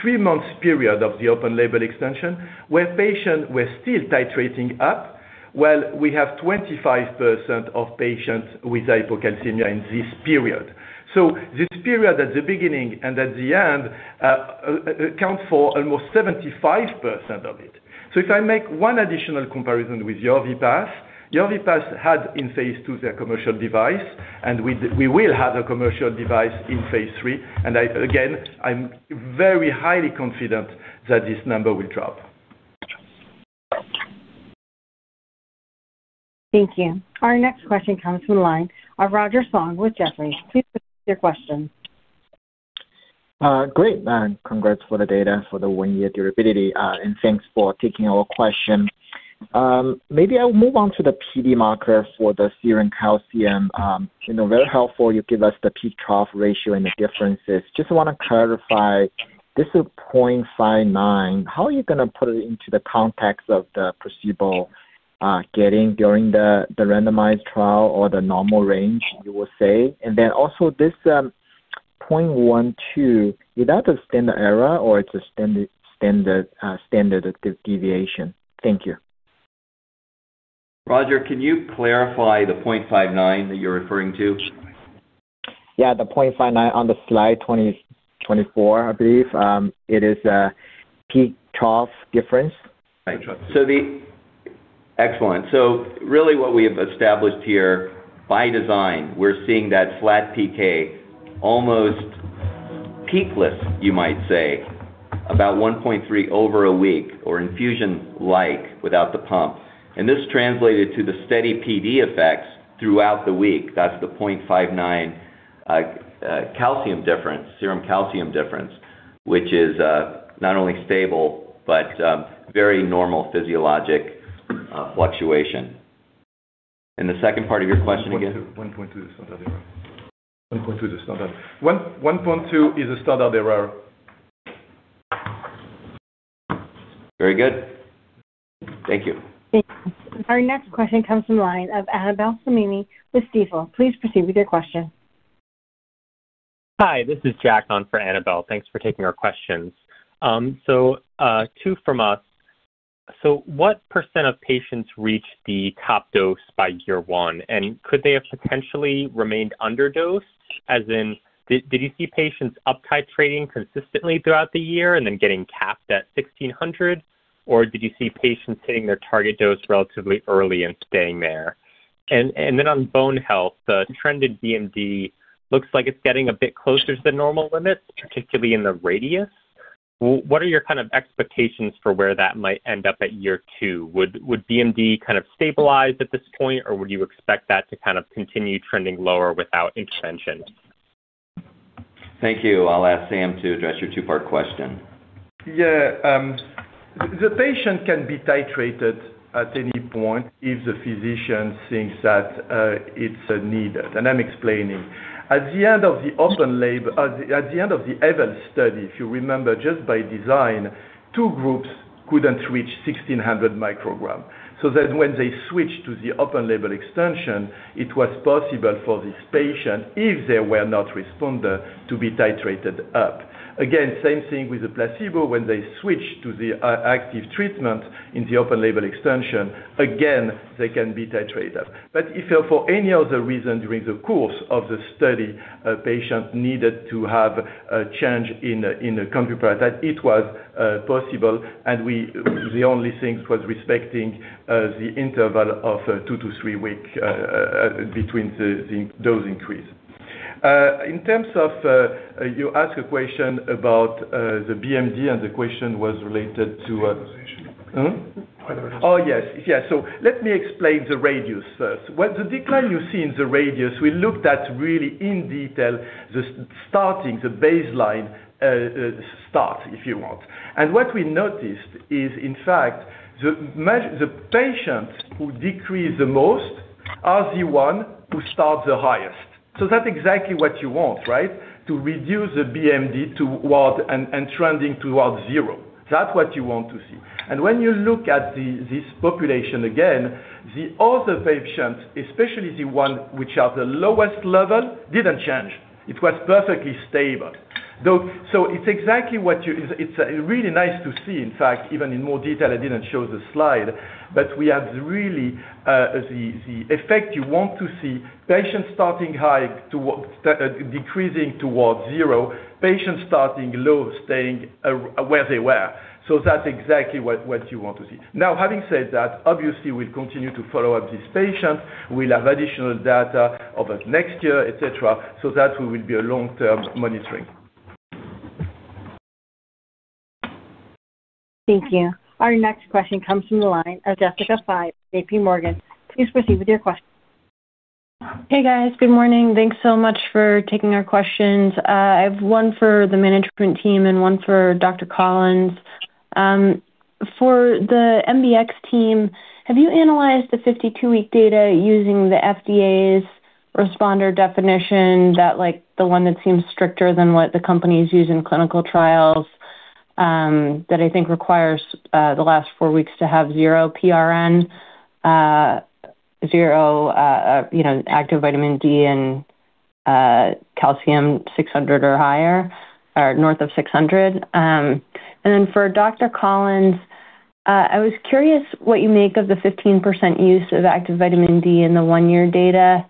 three-month period of the open-label extension, where patients were still titrating up, well, we have 25% of patients with hypocalcemia in this period. This period at the beginning and at the end accounts for almost 75% of it. If I make one additional comparison with YORVIPATH had in Phase II their commercial device, we will have a commercial device in Phase III, again, I'm very highly confident that this number will drop. Thank you. Our next question comes from the line of Roger Song with Jefferies. Please proceed with your question. Great. Congrats for the data for the one year durability. Thanks for taking our question. Maybe I'll move on to the PD marker for the serum calcium. Very helpful, you give us the peak trough ratio and the differences. Just want to clarify, this is 0.59. How are you going to put it into the context of the placebo getting during the randomized trial or the normal range, you would say? Then also this 0.12, is that a standard error or it's a standard deviation? Thank you. Roger, can you clarify the 0.59 that you're referring to? Yeah, the 0.59 on the slide 24, I believe. It is a peak trough difference. Really what we have established here, by design, we're seeing that flat PK, almost peakless, you might say, about 1.3 over a week or infusion-like without the pump. This translated to the steady PD effects throughout the week. That's the 0.59 mg/dL calcium difference, serum calcium difference, which is not only stable but very normal physiologic fluctuation. The second part of your question again? 1.2 is standard error. Very good. Thank you. Our next question comes from the line of Annabel Samimy with Stifel. Please proceed with your question. Hi, this is Jack on for Annabel. Thanks for taking our questions. Two from us. What percent of patients reach the top dose by year one? Could they have potentially remained underdosed? As in, did you see patients uptitrating consistently throughout the year and then getting capped at 1,600? Or did you see patients hitting their target dose relatively early and staying there? Then on bone health, the trended BMD looks like it's getting a bit closer to the normal limits, particularly in the radius. What are your expectations for where that might end up at year two? Would BMD stabilize at this point, or would you expect that to continue trending lower without intervention? Thank you. I'll ask Sam to address your two-part question. Yeah. The patient can be titrated at any point if the physician thinks that it's needed. I'm explaining. At the end of the AVAIL study, if you remember, just by design, two groups couldn't reach 1,600 micrograms. That when they switched to the open-label extension, it was possible for this patient, if they were not responder, to be titrated up. Again, same thing with the placebo. When they switch to the active treatment in the open-label extension, again, they can be titrated. If for any other reason during the course of the study, a patient needed to have a change in the comparator, that it was possible and the only thing was respecting the interval of two- to three-week between the dose increase. You ask a question about the BMD and the question was related to- Standardization. Standardization. Oh, yes. Let me explain the radius first. The decline you see in the radius, we looked at really in detail the starting, the baseline start, if you want. What we noticed is in fact, the patients who decrease the most are the one who start the highest. That's exactly what you want, right? To reduce the BMD and trending towards zero. That's what you want to see. When you look at this population again, the other patients, especially the one which are the lowest level, didn't change. It was perfectly stable. It's really nice to see, in fact, even in more detail, I didn't show the slide, but we have really the effect you want to see. Patients starting high decreasing towards zero, patients starting low staying where they were. That's exactly what you want to see. Having said that, obviously, we'll continue to follow up these patients. We'll have additional data over next year, et cetera, we will be a long-term monitoring. Thank you. Our next question comes from the line of Jessica Fye, JPMorgan. Please proceed with your question. Hey, guys. Good morning. Thanks so much for taking our questions. I have one for the management team and one for Dr. Collins. For the MBX team, have you analyzed the 52-week data using the FDA's responder definition, the one that seems stricter than what the companies use in clinical trials, that I think requires the last four weeks to have zero PRN, zero active vitamin D and calcium 600 or higher, or north of 600? For Dr. Collins, I was curious what you make of the 15% use of active vitamin D in the one-year data.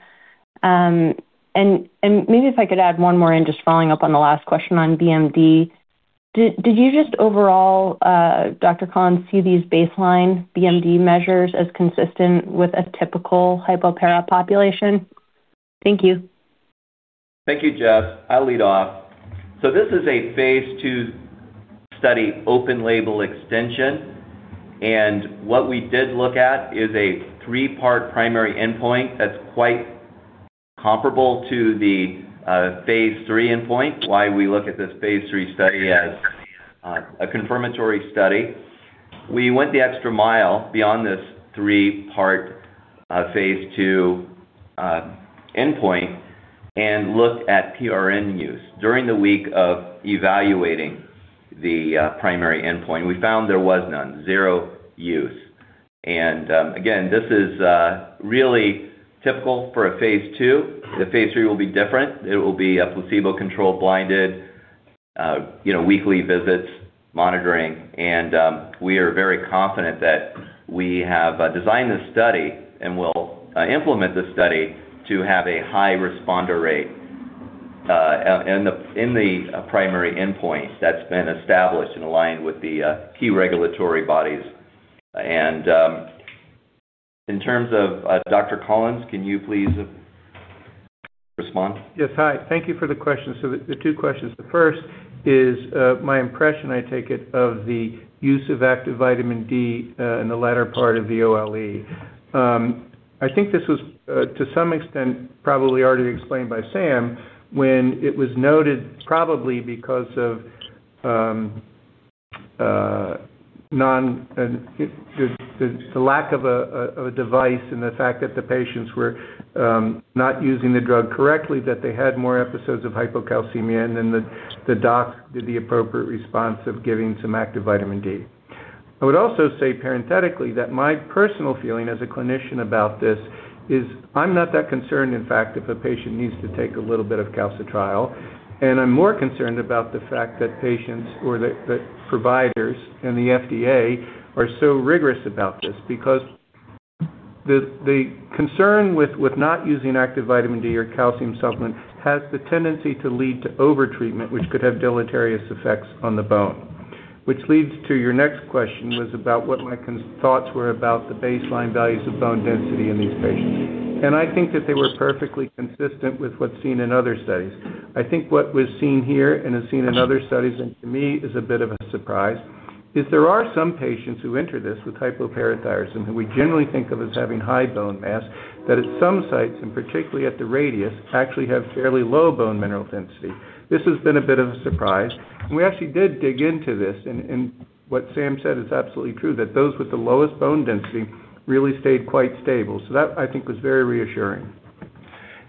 Maybe if I could add one more in, just following up on the last question on BMD. Did you just overall, Dr. Collins, see these baseline BMD measures as consistent with a typical hypoparathyroidism population? Thank you. Thank you, Jess. I'll lead off. This is a Phase II study open-label extension. What we did look at is a three-part primary endpoint that's quite comparable to the Phase III endpoint, why we look at this Phase III study as a confirmatory study. We went the extra mile beyond this three-part Phase II endpoint and looked at PRN use during the week of evaluating the primary endpoint. We found there was none, zero use. Again, this is really typical for a Phase II. The Phase III will be different. It will be a placebo-controlled blinded, weekly visits, monitoring, and we are very confident that we have designed this study and will implement this study to have a high responder rate in the primary endpoint that's been established and aligned with the key regulatory bodies. In terms of Dr. Collins, can you please respond? Yes. Hi, thank you for the question. The two questions. The first is my impression, I take it, of the use of active vitamin D in the latter part of the OLE. I think this was, to some extent, probably already explained by Sam when it was noted probably because of the lack of a device and the fact that the patients were not using the drug correctly, that they had more episodes of hypocalcemia, and then the doc did the appropriate response of giving some active vitamin D. I would also say parenthetically that my personal feeling as a clinician about this is I'm not that concerned, in fact, if a patient needs to take a little bit of calcitriol, and I'm more concerned about the fact that patients or the providers and the FDA are so rigorous about this because the concern with not using active vitamin D or calcium supplements has the tendency to lead to over-treatment, which could have deleterious effects on the bone. Which leads to your next question was about what my thoughts were about the baseline values of bone density in these patients. I think that they were perfectly consistent with what's seen in other studies. I think what was seen here and is seen in other studies and to me is a bit of a surprise, is there are some patients who enter this with hypoparathyroidism, who we generally think of as having high bone mass, that at some sites, and particularly at the radius, actually have fairly low bone mineral density. This has been a bit of a surprise. We actually did dig into this, and what Sam said is absolutely true, that those with the lowest bone density really stayed quite stable. That I think was very reassuring.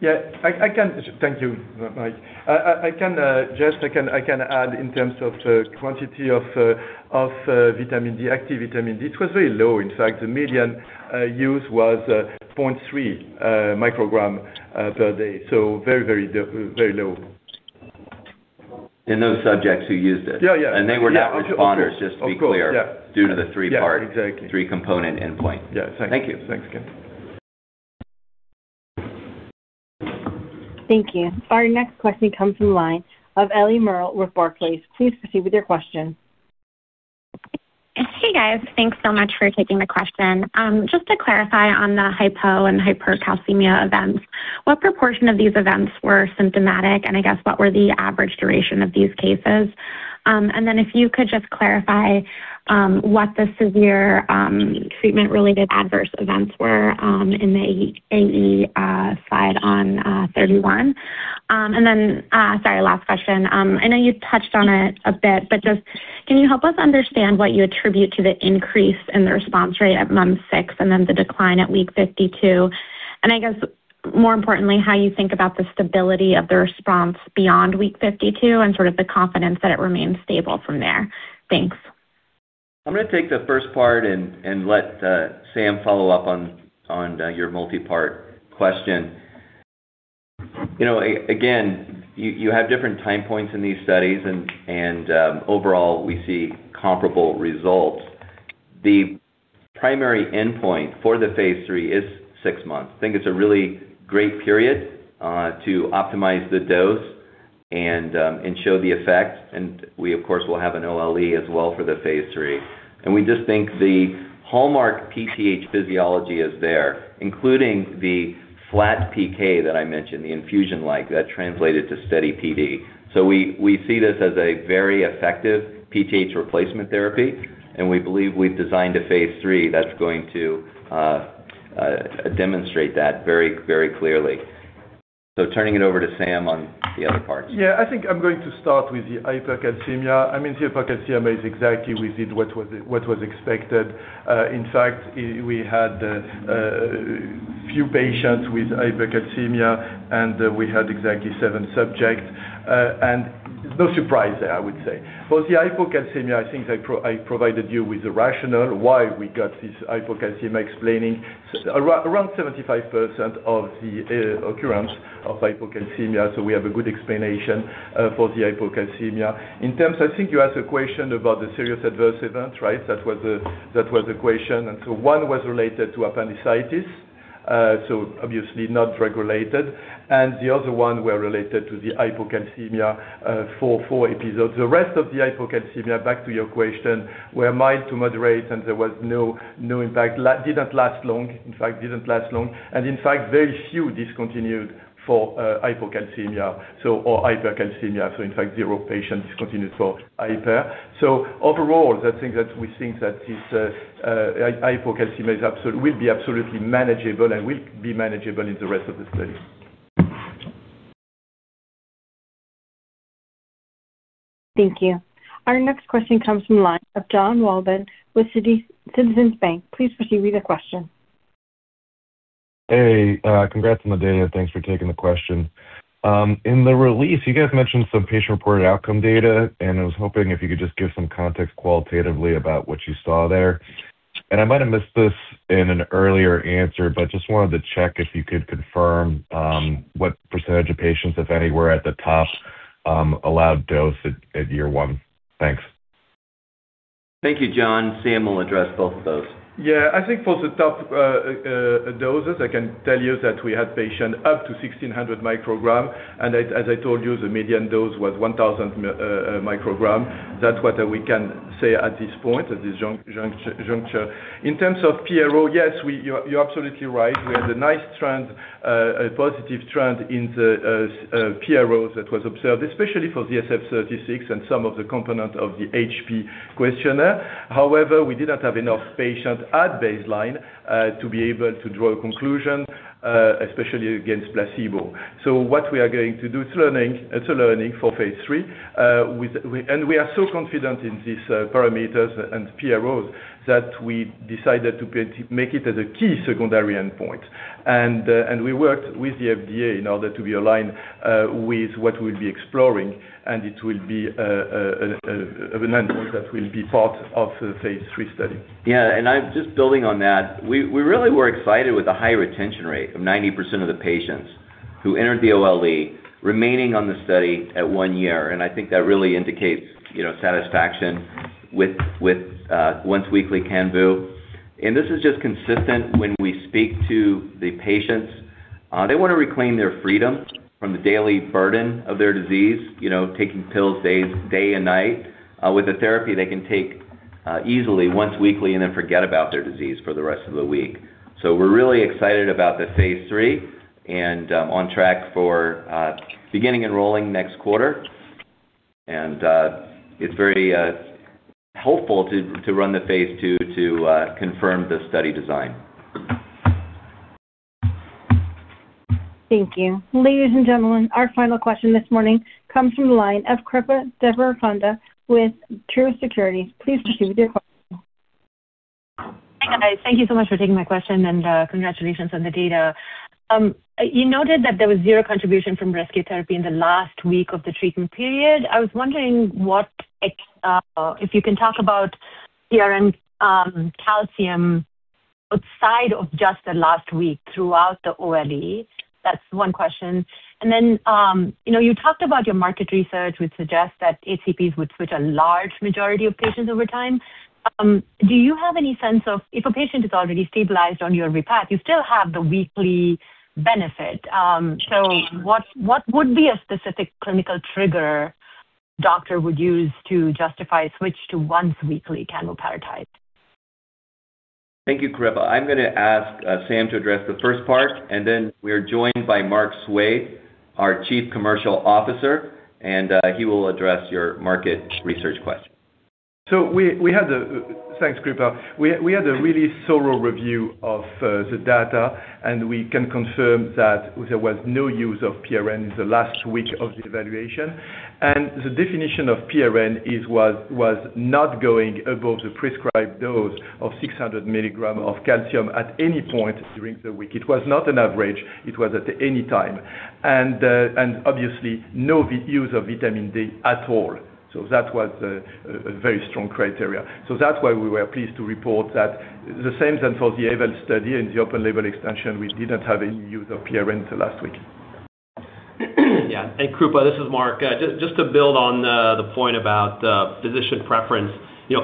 Thank you, Mike. I can add in terms of quantity of vitamin D, active vitamin D. It was very low. In fact, the median use was 0.3 micrograms per day. Very low. In those subjects who used it. Yeah. They were not responders. Of course. Just to be clear. Yeah. Due to the three-part- Exactly three-component endpoint. Yeah. Thank you. Thank you. Thank you. Our next question comes from the line of Ellie Merle with Barclays. Please proceed with your question. Hey, guys. Thanks so much for taking the question. Just to clarify on the hypo- and hypercalcemia events, what proportion of these events were symptomatic, and I guess what were the average duration of these cases? If you could just clarify what the severe treatment-related adverse events were in the AE slide on 31. Sorry, last question. I know you touched on it a bit, but just can you help us understand what you attribute to the increase in the response rate at month six and then the decline at week 52? I guess more importantly, how you think about the stability of the response beyond week 52 and sort of the confidence that it remains stable from there. Thanks. I'm going to take the first part and let Sam follow up on your multi-part question. You have different time points in these studies and overall, we see comparable results. The primary endpoint for the Phase III is six months. I think it's a really great period to optimize the dose and show the effect, and we of course will have an OLE as well for the Phase III. We just think the hallmark PTH physiology is there, including the flat PK that I mentioned, the infusion-like, that translated to steady PD. We see this as a very effective PTH replacement therapy, and we believe we've designed a Phase III that's going to demonstrate that very clearly. Turning it over to Sam on the other parts. Yeah, I think I'm going to start with the hypercalcemia. The hypercalcemia is exactly within what was expected. In fact, we had a few patients with hypercalcemia, and we had exactly seven subjects. No surprise there, I would say. For the hypocalcemia, I think I provided you with the rationale why we got this hypocalcemia, explaining around 75% of the occurrence of hypocalcemia. We have a good explanation for the hypocalcemia. In terms, I think you asked a question about the serious adverse events, right? That was the question, one was related to appendicitis. Obviously not drug-related. The other one were related to the hypocalcemia for four episodes. The rest of the hypocalcemia, back to your question, were mild to moderate. There was no impact. Didn't last long. Very few discontinued for hypocalcemia or hypercalcemia. In fact, zero patients discontinued for hyper. Overall, we think that this hypocalcemia will be absolutely manageable and will be manageable in the rest of the study. Thank you. Our next question comes from the line of Jon Wolleben with Citizens JMP. Please proceed with your question. Hey, congrats on the data. Thanks for taking the question. In the release, you guys mentioned some patient-reported outcome data, and I was hoping if you could just give some context qualitatively about what you saw there. I might have missed this in an earlier answer, but just wanted to check if you could confirm what percentage of patients, if any, were at the top allowed dose at year one. Thanks. Thank you, Jon. Sam will address both of those. I think for the top doses, I can tell you that we had patients up to 1,600 micrograms, and as I told you, the median dose was 1,000 micrograms. That's what we can say at this point, at this juncture. In terms of PRO, yes, you're absolutely right. We had a nice positive trend in the PROs that was observed, especially for the SF-36 and some of the components of the HP questionnaire. However, we did not have enough patients at baseline to be able to draw a conclusion, especially against placebo. What we are going to do, it's a learning for Phase III. We are so confident in these parameters and PROs that we decided to make it as a key secondary endpoint. We worked with the FDA in order to be aligned with what we'll be exploring. It will be an endpoint that will be part of the Phase III study. Just building on that, we really were excited with the high retention rate of 90% of the patients who entered the OLE remaining on the study at one year. I think that really indicates satisfaction with once-weekly canvuparatide. This is just consistent when we speak to the patients. They want to reclaim their freedom from the daily burden of their disease, taking pills day and night, with a therapy they can take easily once-weekly and then forget about their disease for the rest of the week. We're really excited about the Phase III and on track for beginning enrolling next quarter. It's very helpful to run the Phase II to confirm the study design. Thank you. Ladies and gentlemen, our final question this morning comes from the line of Srikripa Devarakonda with Truist Securities. Please proceed with your question. Hi, guys. Thank you so much for taking my question and congratulations on the data. You noted that there was zero contribution from rescue therapy in the last week of the treatment period. I was wondering if you can talk about PRN calcium outside of just the last week throughout the OLE. That's one question. Then, you talked about your market research, which suggests that HCPs would switch a large majority of patients over time. Do you have any sense of if a patient is already stabilized on YORVIPATH, you still have the weekly benefit. What would be a specific clinical trigger doctor would use to justify a switch to once-weekly canvuparatide parathyroid? Thank you, Krupa. I'm going to ask Sam to address the first part, then we are joined by Mark Soued, our Chief Commercial Officer, he will address your market research question. Thanks, Krupa. We had a really thorough review of the data, We can confirm that there was no use of PRN in the last week of the evaluation. The definition of PRN was not going above the prescribed dose of 600 mg of calcium at any point during the week. It was not an average. It was at any time. Obviously, no use of vitamin D at all. That was a very strong criteria. That's why we were pleased to report that the same sample, the AVAIL study and the open-label extension, we didn't have any use of PRN the last week. Yeah. Krupa, this is Mark. Just to build on the point about physician preference.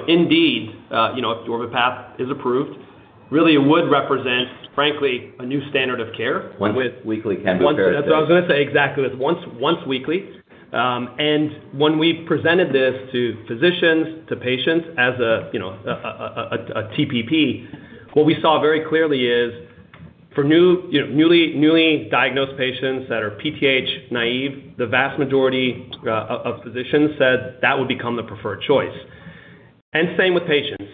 Indeed if YORVIPATH is approved, really it would represent, frankly, a new standard of care with- Once-weekly canvuparatide parathyroid. I was going to say, exactly, with once-weekly. When we presented this to physicians, to patients as a TPP, what we saw very clearly is for newly diagnosed patients that are PTH naive, the vast majority of physicians said that would become the preferred choice. Same with patients.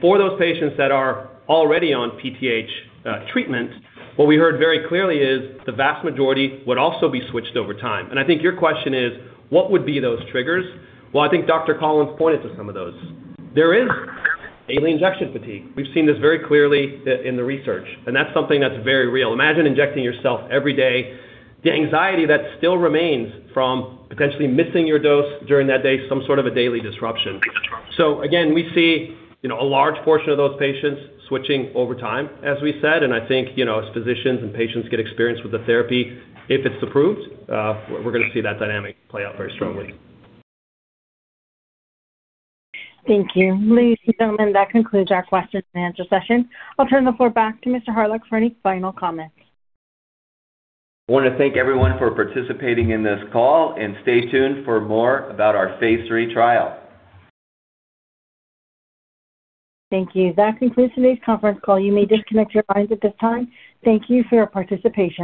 For those patients that are already on PTH treatment, what we heard very clearly is the vast majority would also be switched over time. I think your question is, what would be those triggers? Well, I think Dr. Collins pointed to some of those. There is a injection fatigue. We've seen this very clearly in the research, and that's something that's very real. Imagine injecting yourself every day, the anxiety that still remains from potentially missing your dose during that day, some sort of a daily disruption. Again, we see a large portion of those patients switching over time, as we said, I think as physicians and patients get experience with the therapy, if it's approved, we're going to see that dynamic play out very strongly. Thank you. Ladies and gentlemen, that concludes our question and answer session. I'll turn the floor back to Mr. Hawryluk for any final comments. I want to thank everyone for participating in this call and stay tuned for more about our Phase III trial. Thank you. That concludes today's conference call. You may disconnect your lines at this time. Thank you for your participation.